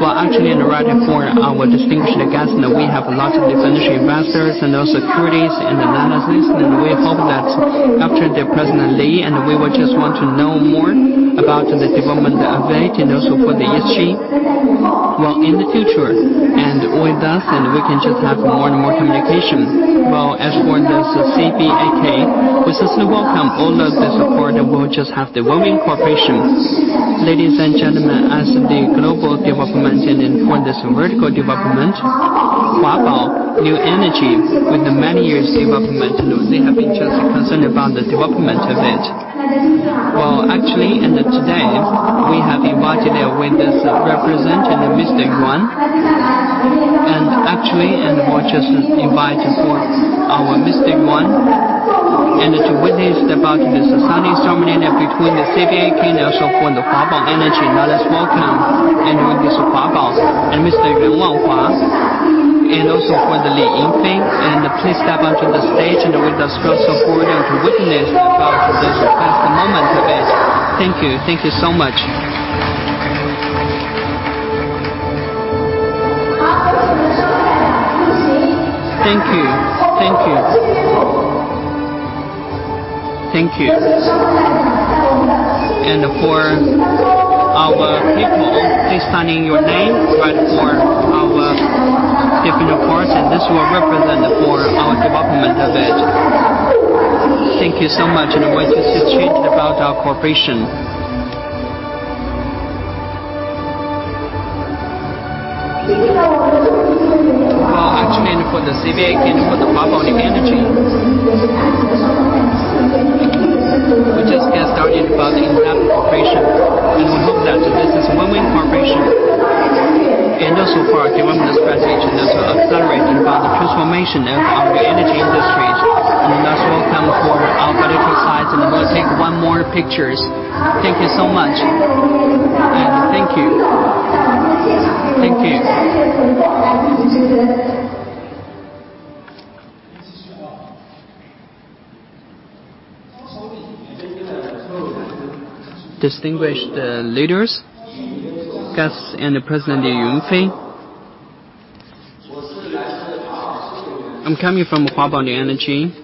Well, actually, in order for our distinguished guests, and we have a lot of different investors and also securities and analysis, and we hope that after President Li, and we will just want to know more about the development of it, and also for the ESG. Well, in the future, and with us, and we can just have more and more communication. Well, as for this CBAK, we sincerely welcome all of the support, and we'll just have developing cooperation. Ladies and gentlemen, as the global development and for this vertical development, Huabao New Energy, with the many years development, they have been just concerned about the development of it. Well, actually, today, we have invited a witness representing the Mystic One. Actually, we're just inviting for our Mystic One, to witness about this signing ceremony between the CBAK and also for the Huabao New Energy. Now, let's welcome and with this Huabao, and Mr. Yuan Wang Hua, and also for Yunfei Li, and please step onto the stage, and with us for support and to witness about this fantastic moment event. Thank you. Thank you so much. Thank you. Thank you. Thank you. For our people, please sign in your name right for our different parts, and this will represent for our development of it. Thank you so much, and I want to change about our corporation. Well, actually, for the CBAK, for the Huabao New Energy, we just get started about in that corporation. We hope that this is winning corporation, and also for our government's strategy, and to accelerating about the transformation of our energy industries. Let's welcome for our political sides, and we'll take 1 more pictures. Thank you so much. Thank you. Thank you. Distinguished leaders, guests, and President Yunfei. I'm coming from Huabao Energy,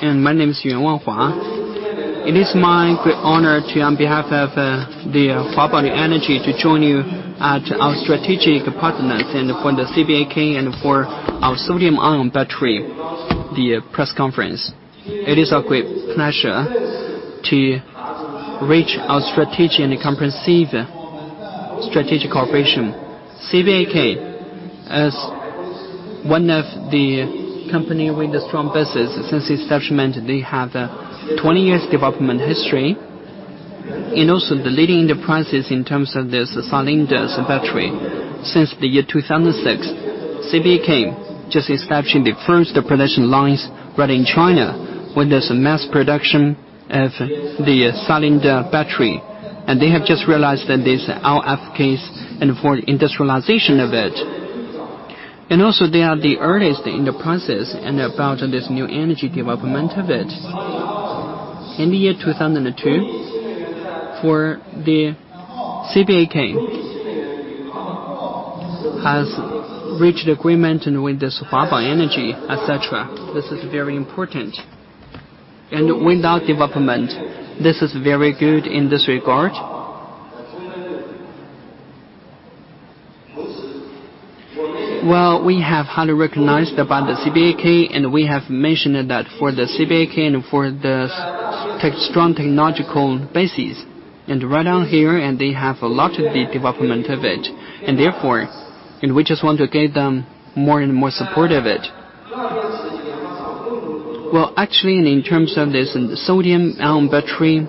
and my name is Yuan Wang Hua. It is my great honor to, on behalf of, the Huabao Energy, to join you at our strategic partners, and for the CBAK, and for our sodium-ion battery press conference. It is a great pleasure to reach our strategic and comprehensive strategic cooperation. CBAK, as one of the company with a strong business, since establishment, they have 20 years development history, and also the leading the prices in terms of this cylindrical battery. Since the year 2006, CBAK just establishing the first production lines right in China, where there's a mass production of the cylindrical battery. They have just realized that this our applications and for industrialization of it. They are the earliest in the process and about this new energy development of it. In the year 2002, for the CBAK has reached agreement and with this Huabao New Energy, et cetera. This is very important. With our development, this is very good in this regard. We have highly recognized about the CBAK, and we have mentioned that for the CBAK and for this strong technological bases, and right on here, and they have a lot of the development of it. Therefore, and we just want to give them more and more support of it. Well, actually, in terms of this, in the sodium-ion battery,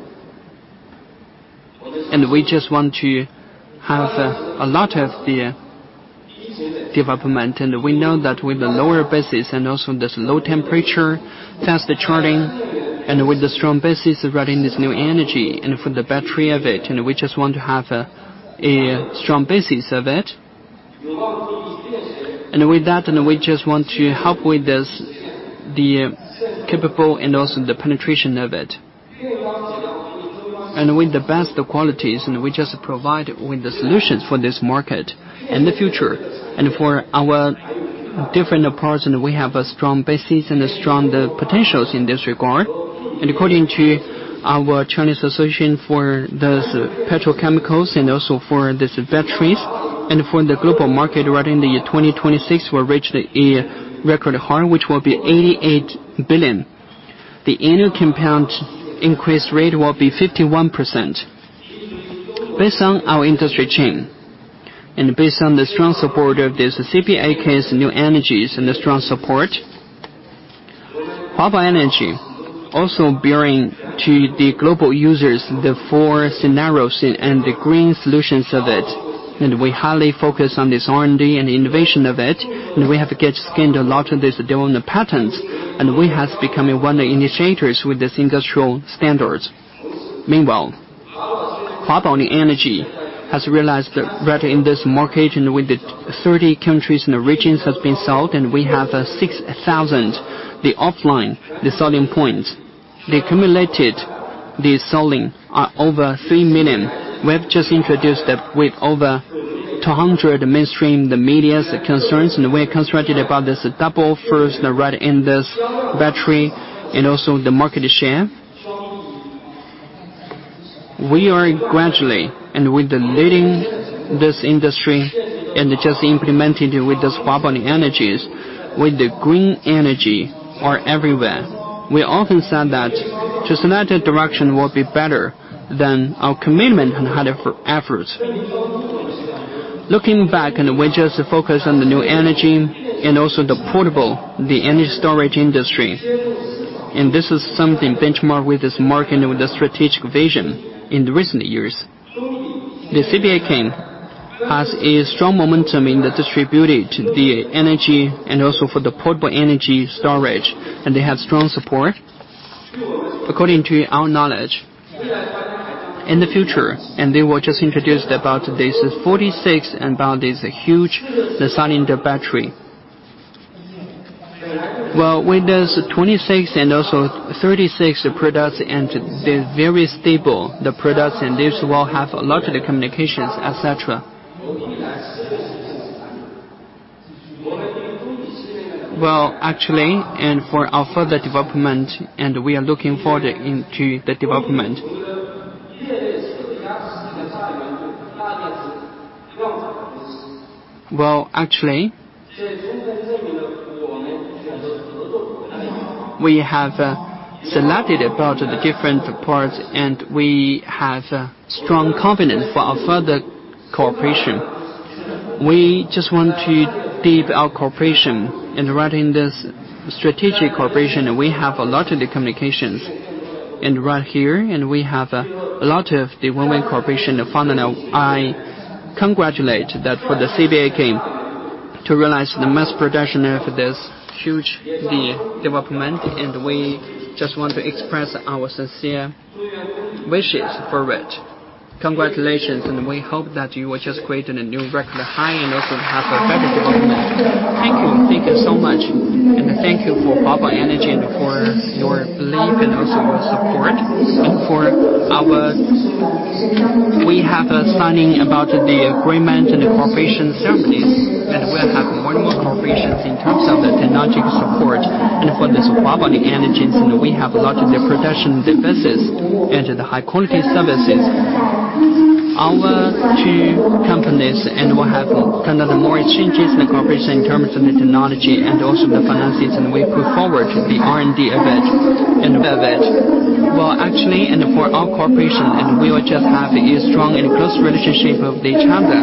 and we just want to have a lot of the development, and we know that with the lower bases and also this low temperature, fast charging, and with the strong bases right in this new energy, and for the battery of it, and we just want to have a strong bases of it. With that, and we just want to help with this, the capable and also the penetration of it. With the best qualities, and we just provide with the solutions for this market and the future. For our different parts, and we have a strong bases and a strong potentials in this regard. According to our Chinese Association for those petrochemicals and also for these batteries, and for the global market, right in the year 2026, we'll reach a record high, which will be $88 billion. The annual compound increase rate will be 51%. Based on our industry chain, and based on the strong support of this CBAK's new energies and the strong support, Huabao New Energy also bringing to the global users the four scenarios and the green solutions of it. We highly focus on this R&D and innovation of it, and we have get scanned a lot of these development patterns, and we has become one of the initiators with this industrial standards. Meanwhile, Huabao New Energy has realized that right in this market and with the 30 countries and the regions has been sold, and we have 6,000, the offline selling points. The accumulated the selling are over $3 million. We have just introduced that with over 200 mainstream, the medias, the concerns, and we're constructed about this double first right in this battery and also the market share. We are gradually, and with the leading this industry, and just implementing with this Huabao New Energy, with the green energy are everywhere. We often said that just another direction will be better than our commitment and hard efforts. Looking back, we just focus on the new energy, and also the portable, the energy storage industry. This is something benchmark with this market and with the strategic vision in the recent years. The CBAK has a strong momentum in the distributed, the energy, and also for the portable energy storage, and they have strong support, according to our knowledge. In the future, they will just introduce about this 46, and about this huge, the cylinder battery. With those 26 and also 36 products, they're very stable, the products, and this will have a lot of the communications, et cetera. Actually, for our further development, we are looking forward into the development. Actually, we have selected about the different parts, and we have a strong confidence for our further cooperation. We just want to deep our cooperation, and right in this strategic cooperation, and we have a lot of the communications. Right here, we have a lot of the winning cooperation, fundamental. I congratulate that for the CBAK to realize the mass production of this huge, the development, and we just want to express our sincere wishes for it. Congratulations. We hope that you will just create a new record high and also have a better development. Thank you. Thank you so much. Thank you for Huabao New Energy and for your belief and also your support. We have a signing about the agreement and the cooperation ceremonies. We'll have more and more cooperation in terms of the technological support. For this Huabao New Energy, and we have a lot of the production devices and the high-quality services. Our two companies, and we'll have kind of more exchanges and cooperation in terms of the technology and also the finances, and we put forward the R&D of it. Well, actually, for our cooperation, we will just have a strong and close relationship of each other,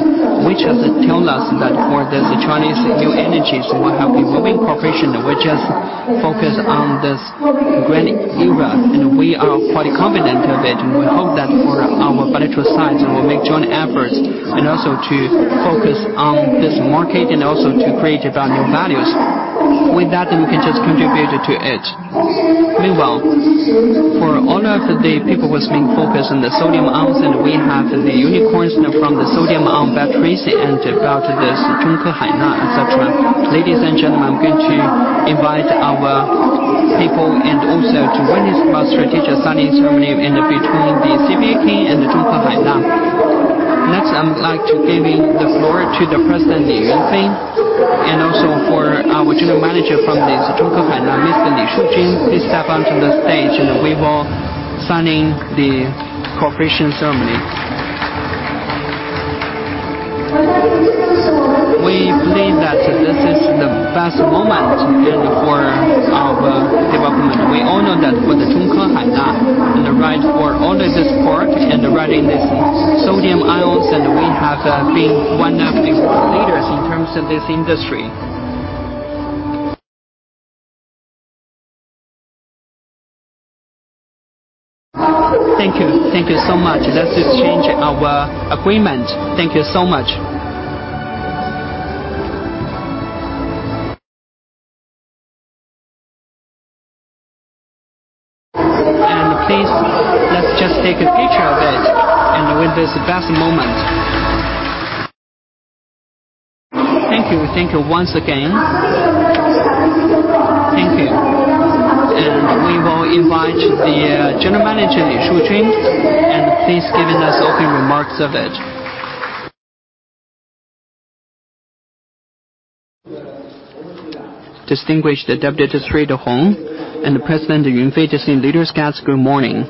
which has told us that for this Chinese new energies, we'll have a moving cooperation, and we're just focused on this grand era, and we are quite confident of it. We hope that for our bilateral sides, we will make joint efforts, also to focus on this market, and also to create about new values. With that, we can just contribute to it. Meanwhile, for all of the people who's been focused on the sodium ions, we have the unicorns from the sodium ion batteries and about this Zhongke Haina, et cetera. Ladies and gentlemen, I'm going to invite our people also to witness about strategic signing ceremony between the CBAK and the Zhongke Haina. Next, I'd like to giving the floor to the President Li Yunfei, and also for our General Manager from this Zhongke Haina, Mr. Li Shujun. Please step onto the stage, we will signing the cooperation ceremony. We believe that this is the best moment and for our development. We all know that for the Zhongke Haina, and the right for all of this part, and right in this sodium ions, we have been one of the world leaders in terms of this industry. Thank you. Thank you so much. Let's exchange our agreement. Thank you so much. Please, let's just take a picture of it, and with this best moment. Thank you. Thank you once again. Thank you. We will invite the General Manager Li Shujun, and please giving us opening remarks of it. Distinguished Deputy Secretary Hong and President Yunfei, distinguished leaders, guests, good morning.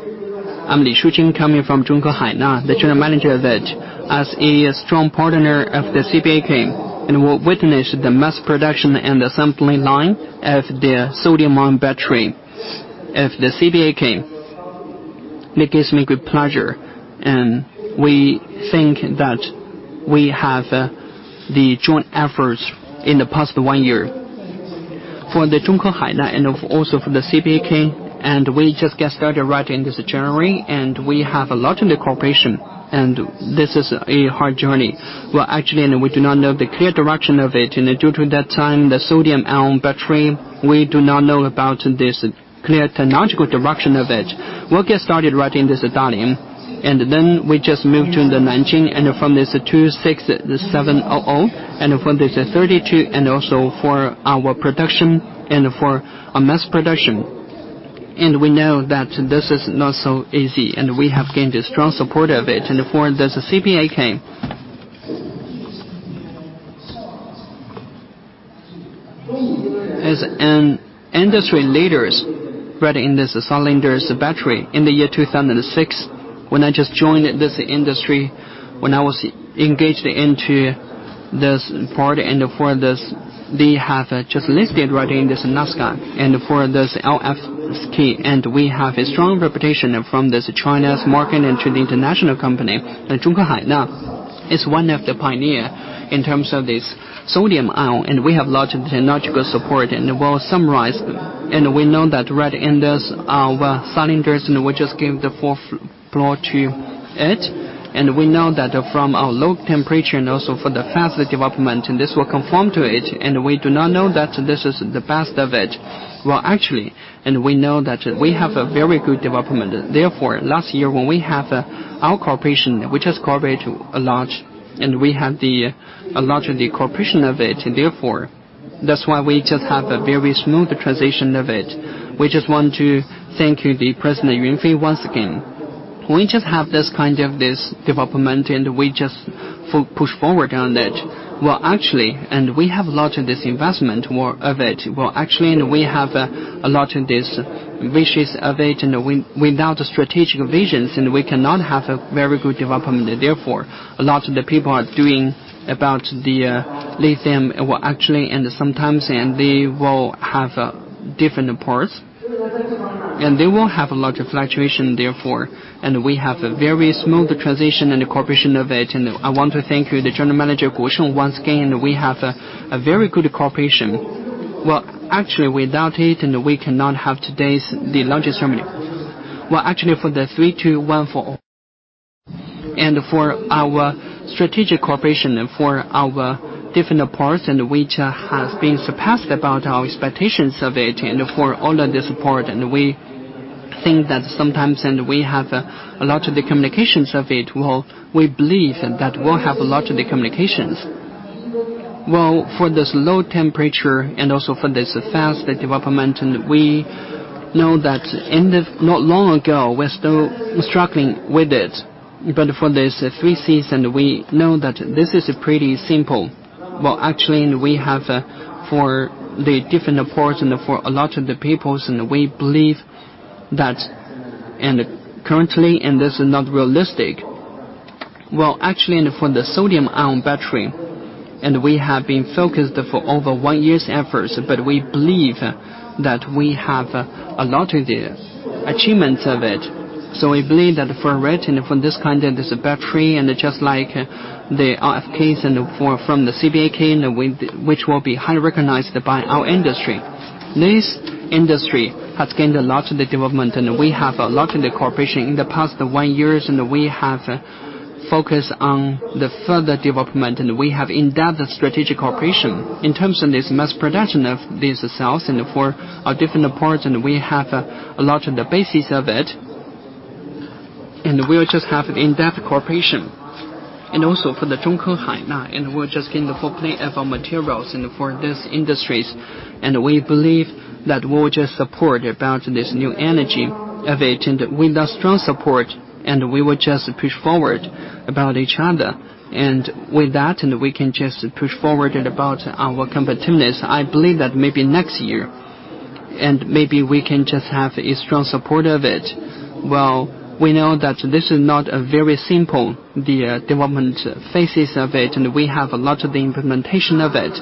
I'm Li Shujun, coming from Zhongke Haina, the General Manager of it. As a strong partner of CBAK, will witness the mass production and the assembly line of the sodium-ion battery of CBAK. It gives me great pleasure. We think that we have the joint efforts in the past one year for Zhongke Haina also for CBAK. We just get started right in this January. We have a lot in the cooperation. This is a hard journey. Well, actually, we do not know the clear direction of it. Due to that time, the sodium-ion battery, we do not know about this clear technological direction of it. We'll get started right in this Dalian. We just moved to the Nanjing. From this 26700. From this 32. Also for our production and for a mass production. We know that this is not so easy. We have gained a strong support of it. For this CBAK, as an industry leaders, right, in this cylindrical battery. In the year 2006, when I just joined this industry, when I was engaged into... This part. For this, they have just listed right in this Nasdaq. For this LFS. We have a strong reputation from this China's market into the international company. Zhongke Haina is one of the pioneer in terms of this sodium-ion. We have large technological support. We'll summarize. We know that right in this, our cylinders, we just give the fourth floor to it. We know that from our low temperature, also for the fast development, this will conform to it, we do not know that this is the best of it. Well, actually, we know that we have a very good development. Therefore, last year, when we have our cooperation, we just cooperate to a large. We have a larger cooperation of it, therefore, that's why we just have a very smooth transition of it. We just want to thank you, President Yunfei, once again. We just have this kind of development, we just push forward on it. Well, actually, we have a lot in this investment more of it. Well, actually, we have a lot in this wishes of it, and we, without the strategic visions, and we cannot have a very good development. Therefore, a lot of the people are doing about the lithium, well, actually, sometimes, and they will have different parts, and they will have a lot of fluctuation, therefore. We have a very smooth transition and the cooperation of it, and I want to thank you, General Manager Guoshun, once again, we have a very good cooperation. Well, actually, without it, we cannot have today's the launch ceremony. Well, actually, for the 32140, and for our strategic cooperation and for our different parts, which has been surpassed about our expectations of it, and for all of the support, and we think that sometimes, and we have a lot of the communications of it. Well, we believe that we'll have a lot of the communications. Well, for this low temperature and also for this fast development, and we know that not long ago, we're still struggling with it. For this 3C, and we know that this is pretty simple. Well, actually, and we have for the different parts and for a lot of the people, and we believe that. Currently, this is not realistic. Actually, for the sodium-ion battery, we have been focused for over one year's efforts, but we believe that we have a lot of the achievements of it. We believe that for right and for this kind of this battery, just like the RFPs from the CBAK, which will be highly recognized by our industry. This industry has gained a lot of the development, and we have a lot in the cooperation. In the past one years, we have focused on the further development, and we have in-depth strategic cooperation. In terms of this mass production of these cells and for our different parts, and we have a lot of the basis of it, and we'll just have in-depth cooperation. Also for Zhongke Haina, we're just getting the full play of our materials and for these industries, we believe that we'll just support about this new energy of it. With the strong support, we will just push forward about each other. With that, we can just push forward about our competitiveness. I believe that maybe next year, maybe we can just have a strong support of it. Well, we know that this is not a very simple, the development phases of it. We have a lot of the implementation of it.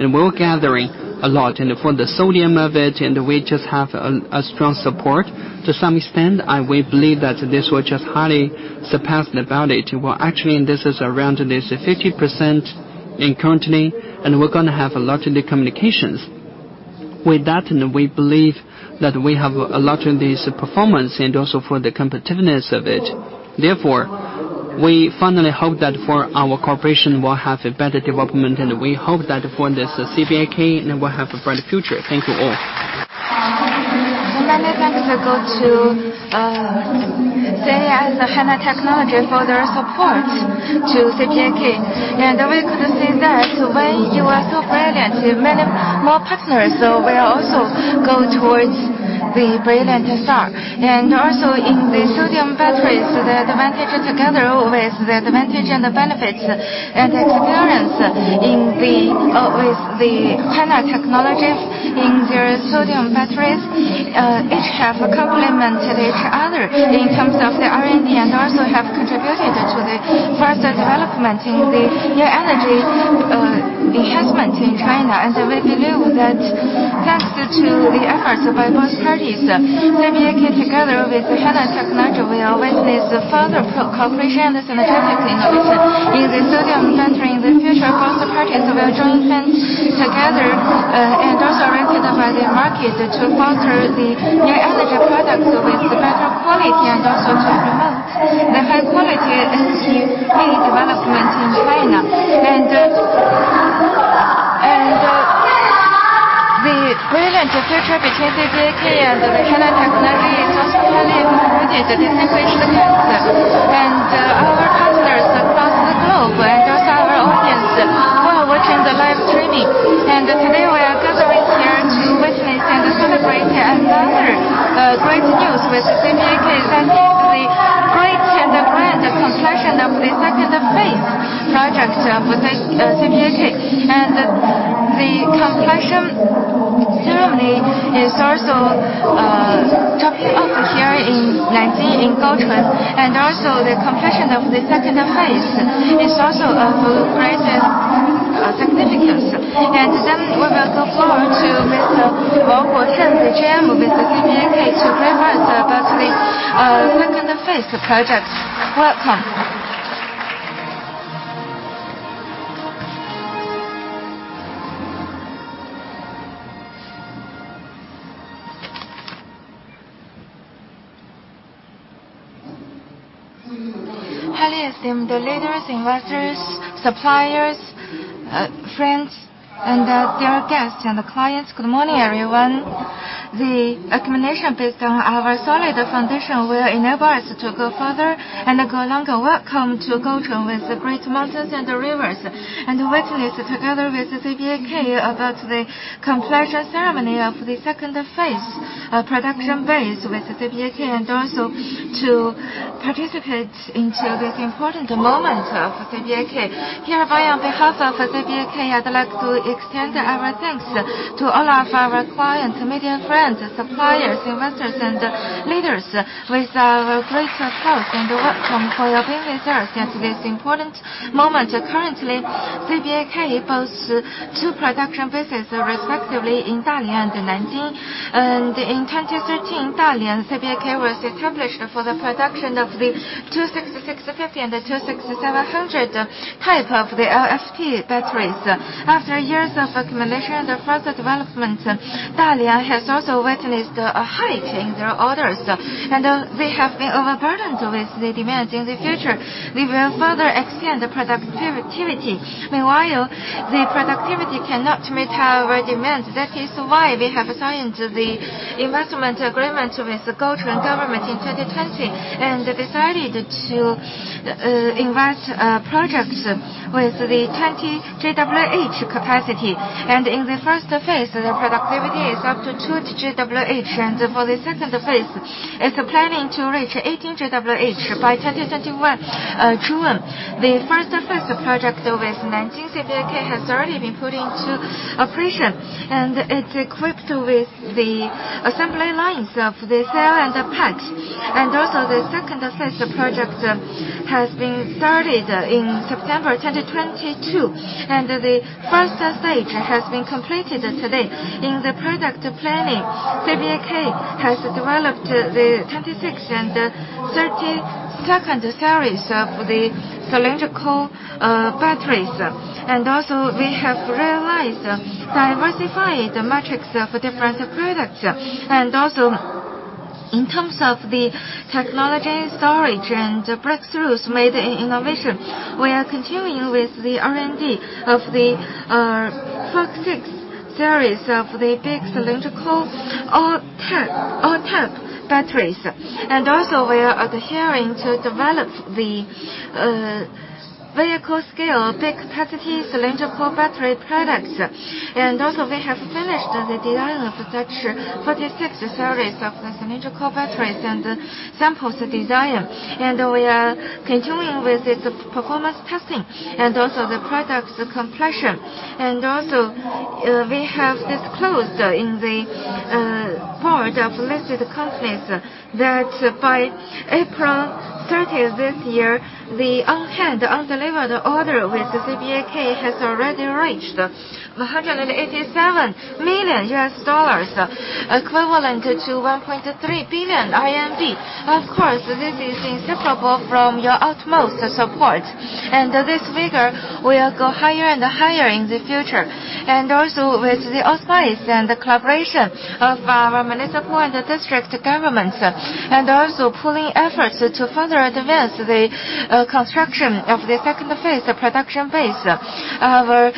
We're gathering a lot, for the sodium of it. We just have a strong support. To some extent, we believe that this will just highly surpass the value. Well, actually, this is around this 50% in currently, and we're gonna have a lot in the communications. With that, and we believe that we have a lot in this performance and also for the competitiveness of it. Therefore, we finally hope that for our cooperation, we'll have a better development, and we hope that for this CBAK, and we'll have a bright future. Thank you all. Many thanks go to HiNa Battery for their support to CBAK. We could see that when you are so brilliant, many more partners will also go towards the brilliant star. In the sodium batteries, the advantage together with the advantage and the benefits and experience with the HiNa Battery in their sodium batteries, each have complemented each other in terms of the R&D, and also have contributed to the further development in the new energy enhancement in China. We believe that thanks to the efforts by both parties, CBAK, together with HiNa Battery, we always this further cooperation and the strategic initiative in the sodium battery. In the future, both parties will join hands together, and also recognized by the market to foster the new energy products with better quality, and also to promote the high-quality energy development in China. The brilliant future between CBAK and HiNa Battery completely completed the signature events. Our partners across the globe, and also our audience who are watching the live streaming. Today, we are gathering here to witness and celebrate another great news with the CBAK. Thank you for the great and the grand completion of the second phase project with CBAK. The completion ceremony is also top of the year in 19 in Gaochun, and also the completion of the second phase is also of great significance. We will go forward to Mr. Guo Huacheng, the GM with CBAK, to present about the second phase of the project. Welcome. Highly esteemed leaders, investors, suppliers, friends, dear guests, and clients, good morning, everyone. The accumulation based on our solid foundation will enable us to go further and go longer. Welcome to Gaochun, with the great mountains and the rivers, and witness together with CBAK about the completion ceremony of the second phase of production base with CBAK, and also to participate into this important moment of CBAK. Hereby, on behalf of CBAK, I'd like to extend our thanks to all of our clients, media friends, suppliers, investors, and leaders, with great support, and welcome for being with us at this important moment. Currently, CBAK boasts two production bases, respectively, in Dalian and Nanjing. In 2013, Dalian CBAK was established for the production of the 26650 and the 26700 type of the LFP batteries. After years of accumulation and further development, Dalian has also witnessed a hike in their orders, and they have been overburdened with the demand. In the future, we will further extend the productivity. Meanwhile, the productivity cannot meet our demands. That is why we have signed the investment agreement with the Gaochun government in 2020, and decided to invest projects with the 20 GWh capacity. In the first phase, the productivity is up to 2 GWh, and for the second phase, it's planning to reach 18 GWh by 2021. June, the first phase of project with Nanjing CBAK has already been put into operation, and it's equipped with the assembly lines of the cell and the pack. Also, the second phase of project has been started in September 2022, and the first stage has been completed today. In the product planning, CBAK has developed the 26 and 32 series of the cylindrical batteries. Also, we have realized diversifying the metrics of different products. Also, in terms of the technology, storage, and breakthroughs made in innovation, we are continuing with the R&D of the 46 series of the big cylindrical or ten batteries. We are adhering to develop the vehicle-scale, big-capacity cylindrical battery products. We have finished the design of such Series 46 of the cylindrical batteries and samples design, and we are continuing with its performance testing and also the product's completion. We have disclosed in the board of listed companies that by April 30th this year, the on-hand, undelivered order with the CBAK has already reached $187 million, equivalent to 1.3 billion RMB. Of course, this is inseparable from your utmost support, and this figure will go higher and higher in the future. With the advice and the collaboration of our municipal and district governments, pulling efforts to further advance the construction of the second phase of production base, our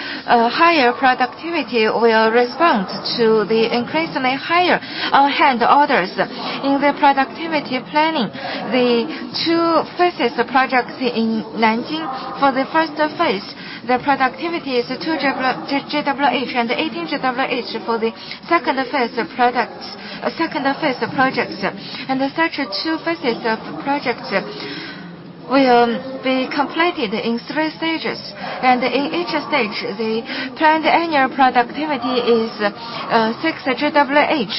higher productivity will respond to the increasingly higher on-hand orders. In the productivity planning, the two phases of projects in Nanjing, for the first phase, the productivity is 2 GWh and 18 GWh for the second phase of projects. The such two phases of projects will be completed in 3 stages, and in each stage, the planned annual productivity is 6 GWh.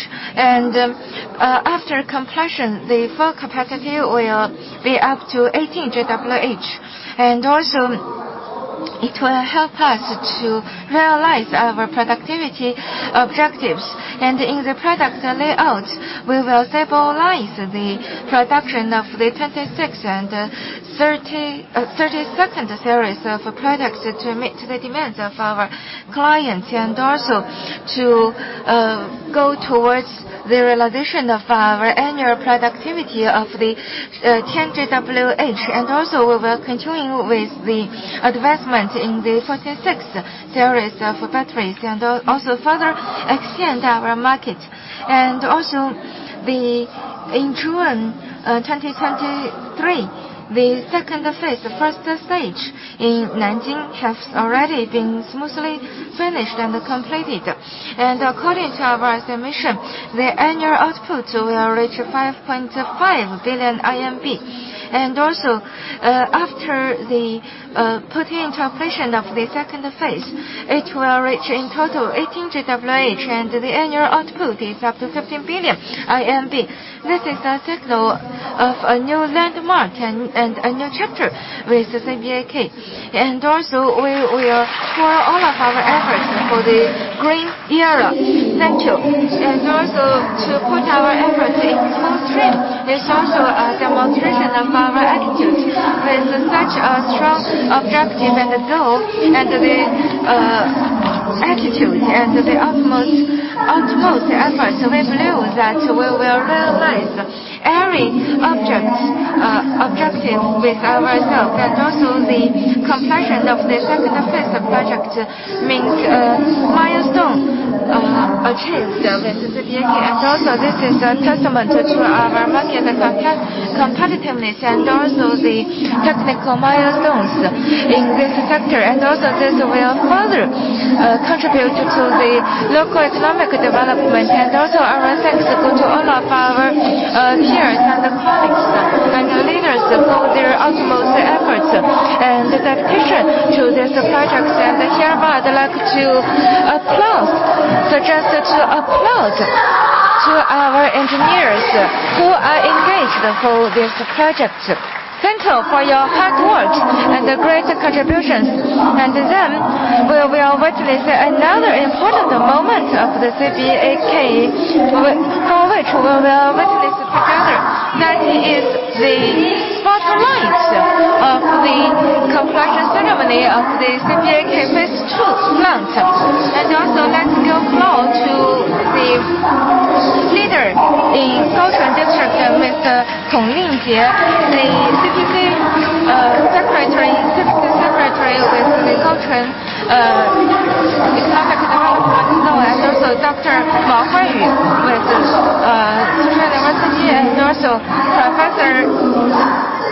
After completion, the full capacity will be up to 18 GWh. It will help us to realize our productivity objectives. In the product layout, we will stabilize the production of the 26 and Series 32 products to meet the demands of our clients, and also to go towards the realization of our annual productivity of the 10 GWh. We will continue with the advancement in the Series 46 batteries, also further extend our market. In June 2023, the second phase, the first stage in Nanjing has already been smoothly finished and completed. According to our estimation, the annual output will reach 5.5 billion Wh. After the putting into operation of the second phase, it will reach in total 18 GWh, and the annual output is up to 15 billion Wh. This is a signal of a new landmark and a new chapter with CBAK. We will pour all of our efforts for the green era. Thank you. To put our efforts in full stream, is also a demonstration of our attitude. With such a strong objective and a goal, and the attitude, and the utmost efforts, we believe that we will realize every objective with ourselves. The completion of the second phase of project means a milestone achieved with CBAK. This is a testament to our market and competitiveness, and also the technical milestones in this sector. This will further contribute to the local economic development, and our thanks go to all of our peers, colleagues, and leaders for their utmost efforts and dedication to this project. Hereby, I'd like to applause, suggest to applause to our engineers who are engaged for this project. Thank you for your hard work and the great contributions. Then, we will witness another important moment of the CBAK, for which we will witness together. That is the spotlight of the completion ceremony of the CBAK phase two plant. Let's give applause to the leader in Southern District, Mr. Tong Lingjie, the CPA, Secretary, Deputy Secretary with the Gaochun Economic and Technological Development, and also Dr. Ma Huayu, with Tsinghua University, and also Professor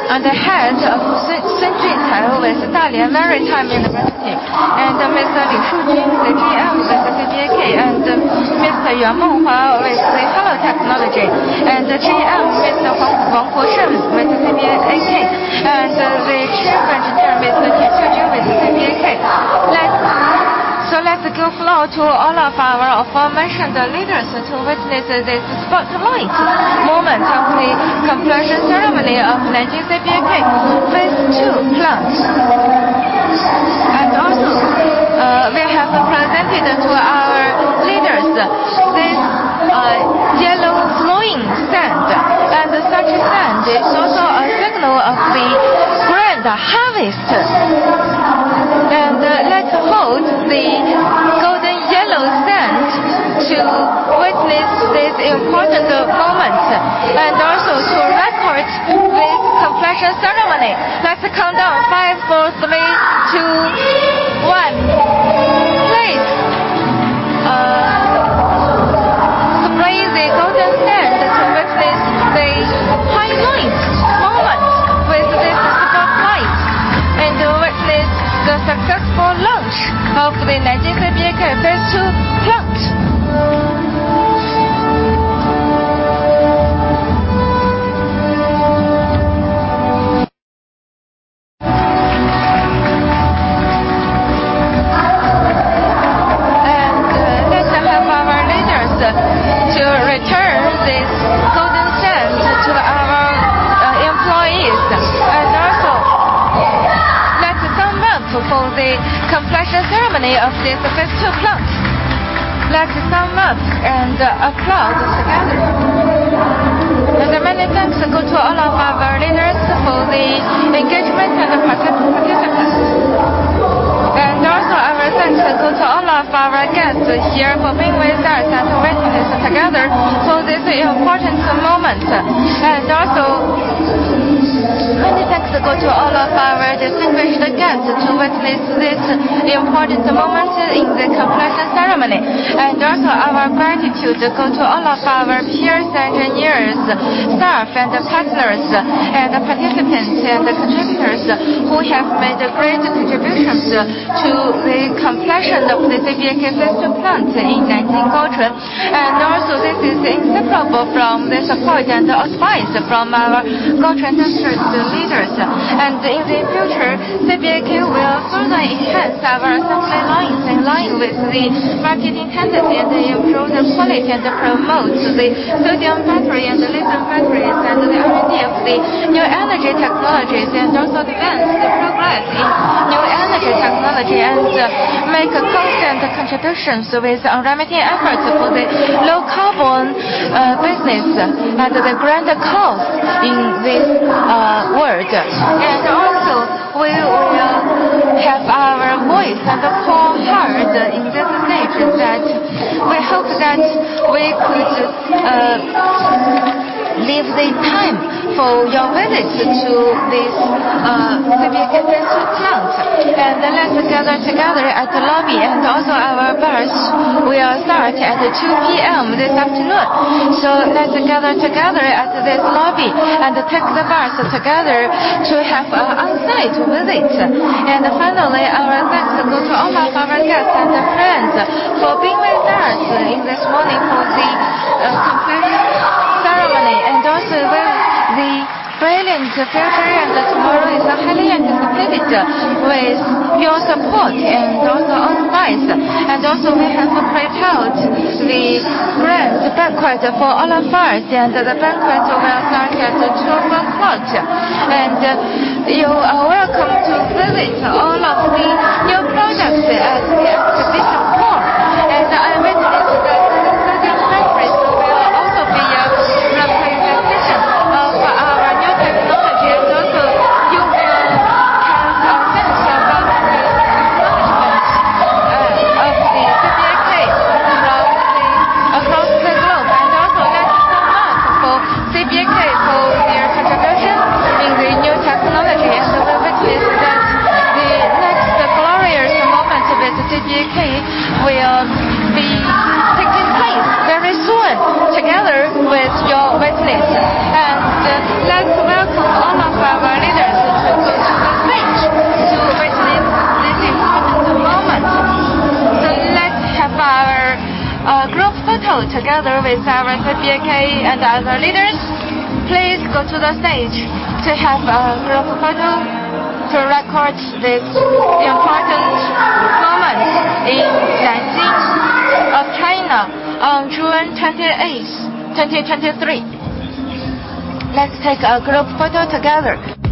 and the head of Tsinghua, with Dalian Maritime University, and Mr. Li Fujin, the GM with CBAK, and Mr. Yuan Meng Hua with Color Technology, and the GM, Mr. Wang Fuchen with CBAK, and the Chief Engineer, Mr. Tian Xiujun with CBAK. Let's give applause to all of our aforementioned leaders to witness this spotlight moment of the completion ceremony of Nanjing CBAK phase 2 plant. We have presented to our leaders this yellow flowing sand, and such sand is also a symbol of the grand harvest. Let's hold the golden yellow sand to witness this important moment, phase 2 plant in 19 Gucheng. This is inseparable from the support and advice from our Gucheng district leaders. In the future, CBAK will further enhance our assembly lines in line with the marketing tendencies, improve the quality, promote the sodium battery, the lithium batteries, and the R&D of the new energy technologies, advance the progress in new energy technology, and make constant contributions with unremitting efforts for the low carbon business and the grand cause in the world. We will have our voice and whole heart in this stage, that we hope that we could leave the time for your witness to this CBAK. Let's gather together at the lobby. Our bus will start at 2:00 P.M. this afternoon. Let's gather together at this lobby and take the bus together to have a on-site visit. Finally, our thanks go to all of our guests and friends for being with us in this morning for the completion ceremony, and the brilliant, very brilliant tomorrow is highly anticipated with your support and advice. We have prepared the grand banquet for all of us, and the banquet will start at 2:00. You are welcome to visit all of the new products at the exhibition hall. I witness that your favorite will also be a representation of our new technology, and also you will have a sense of the accomplishments of CBAK across the globe. Also let's applause for CBAK for their contribution in the new technology, and I believe that the next glorious moment with CBAK will be taking place very soon, together with your witness. Let's welcome all of our leaders to the stage to witness this important moment. Let's have our group photo together with our CBAK and other leaders. Please go to the stage to have a group photo to record this important moment in Nanjing of China on June 28, 2023. Let's take a group photo together.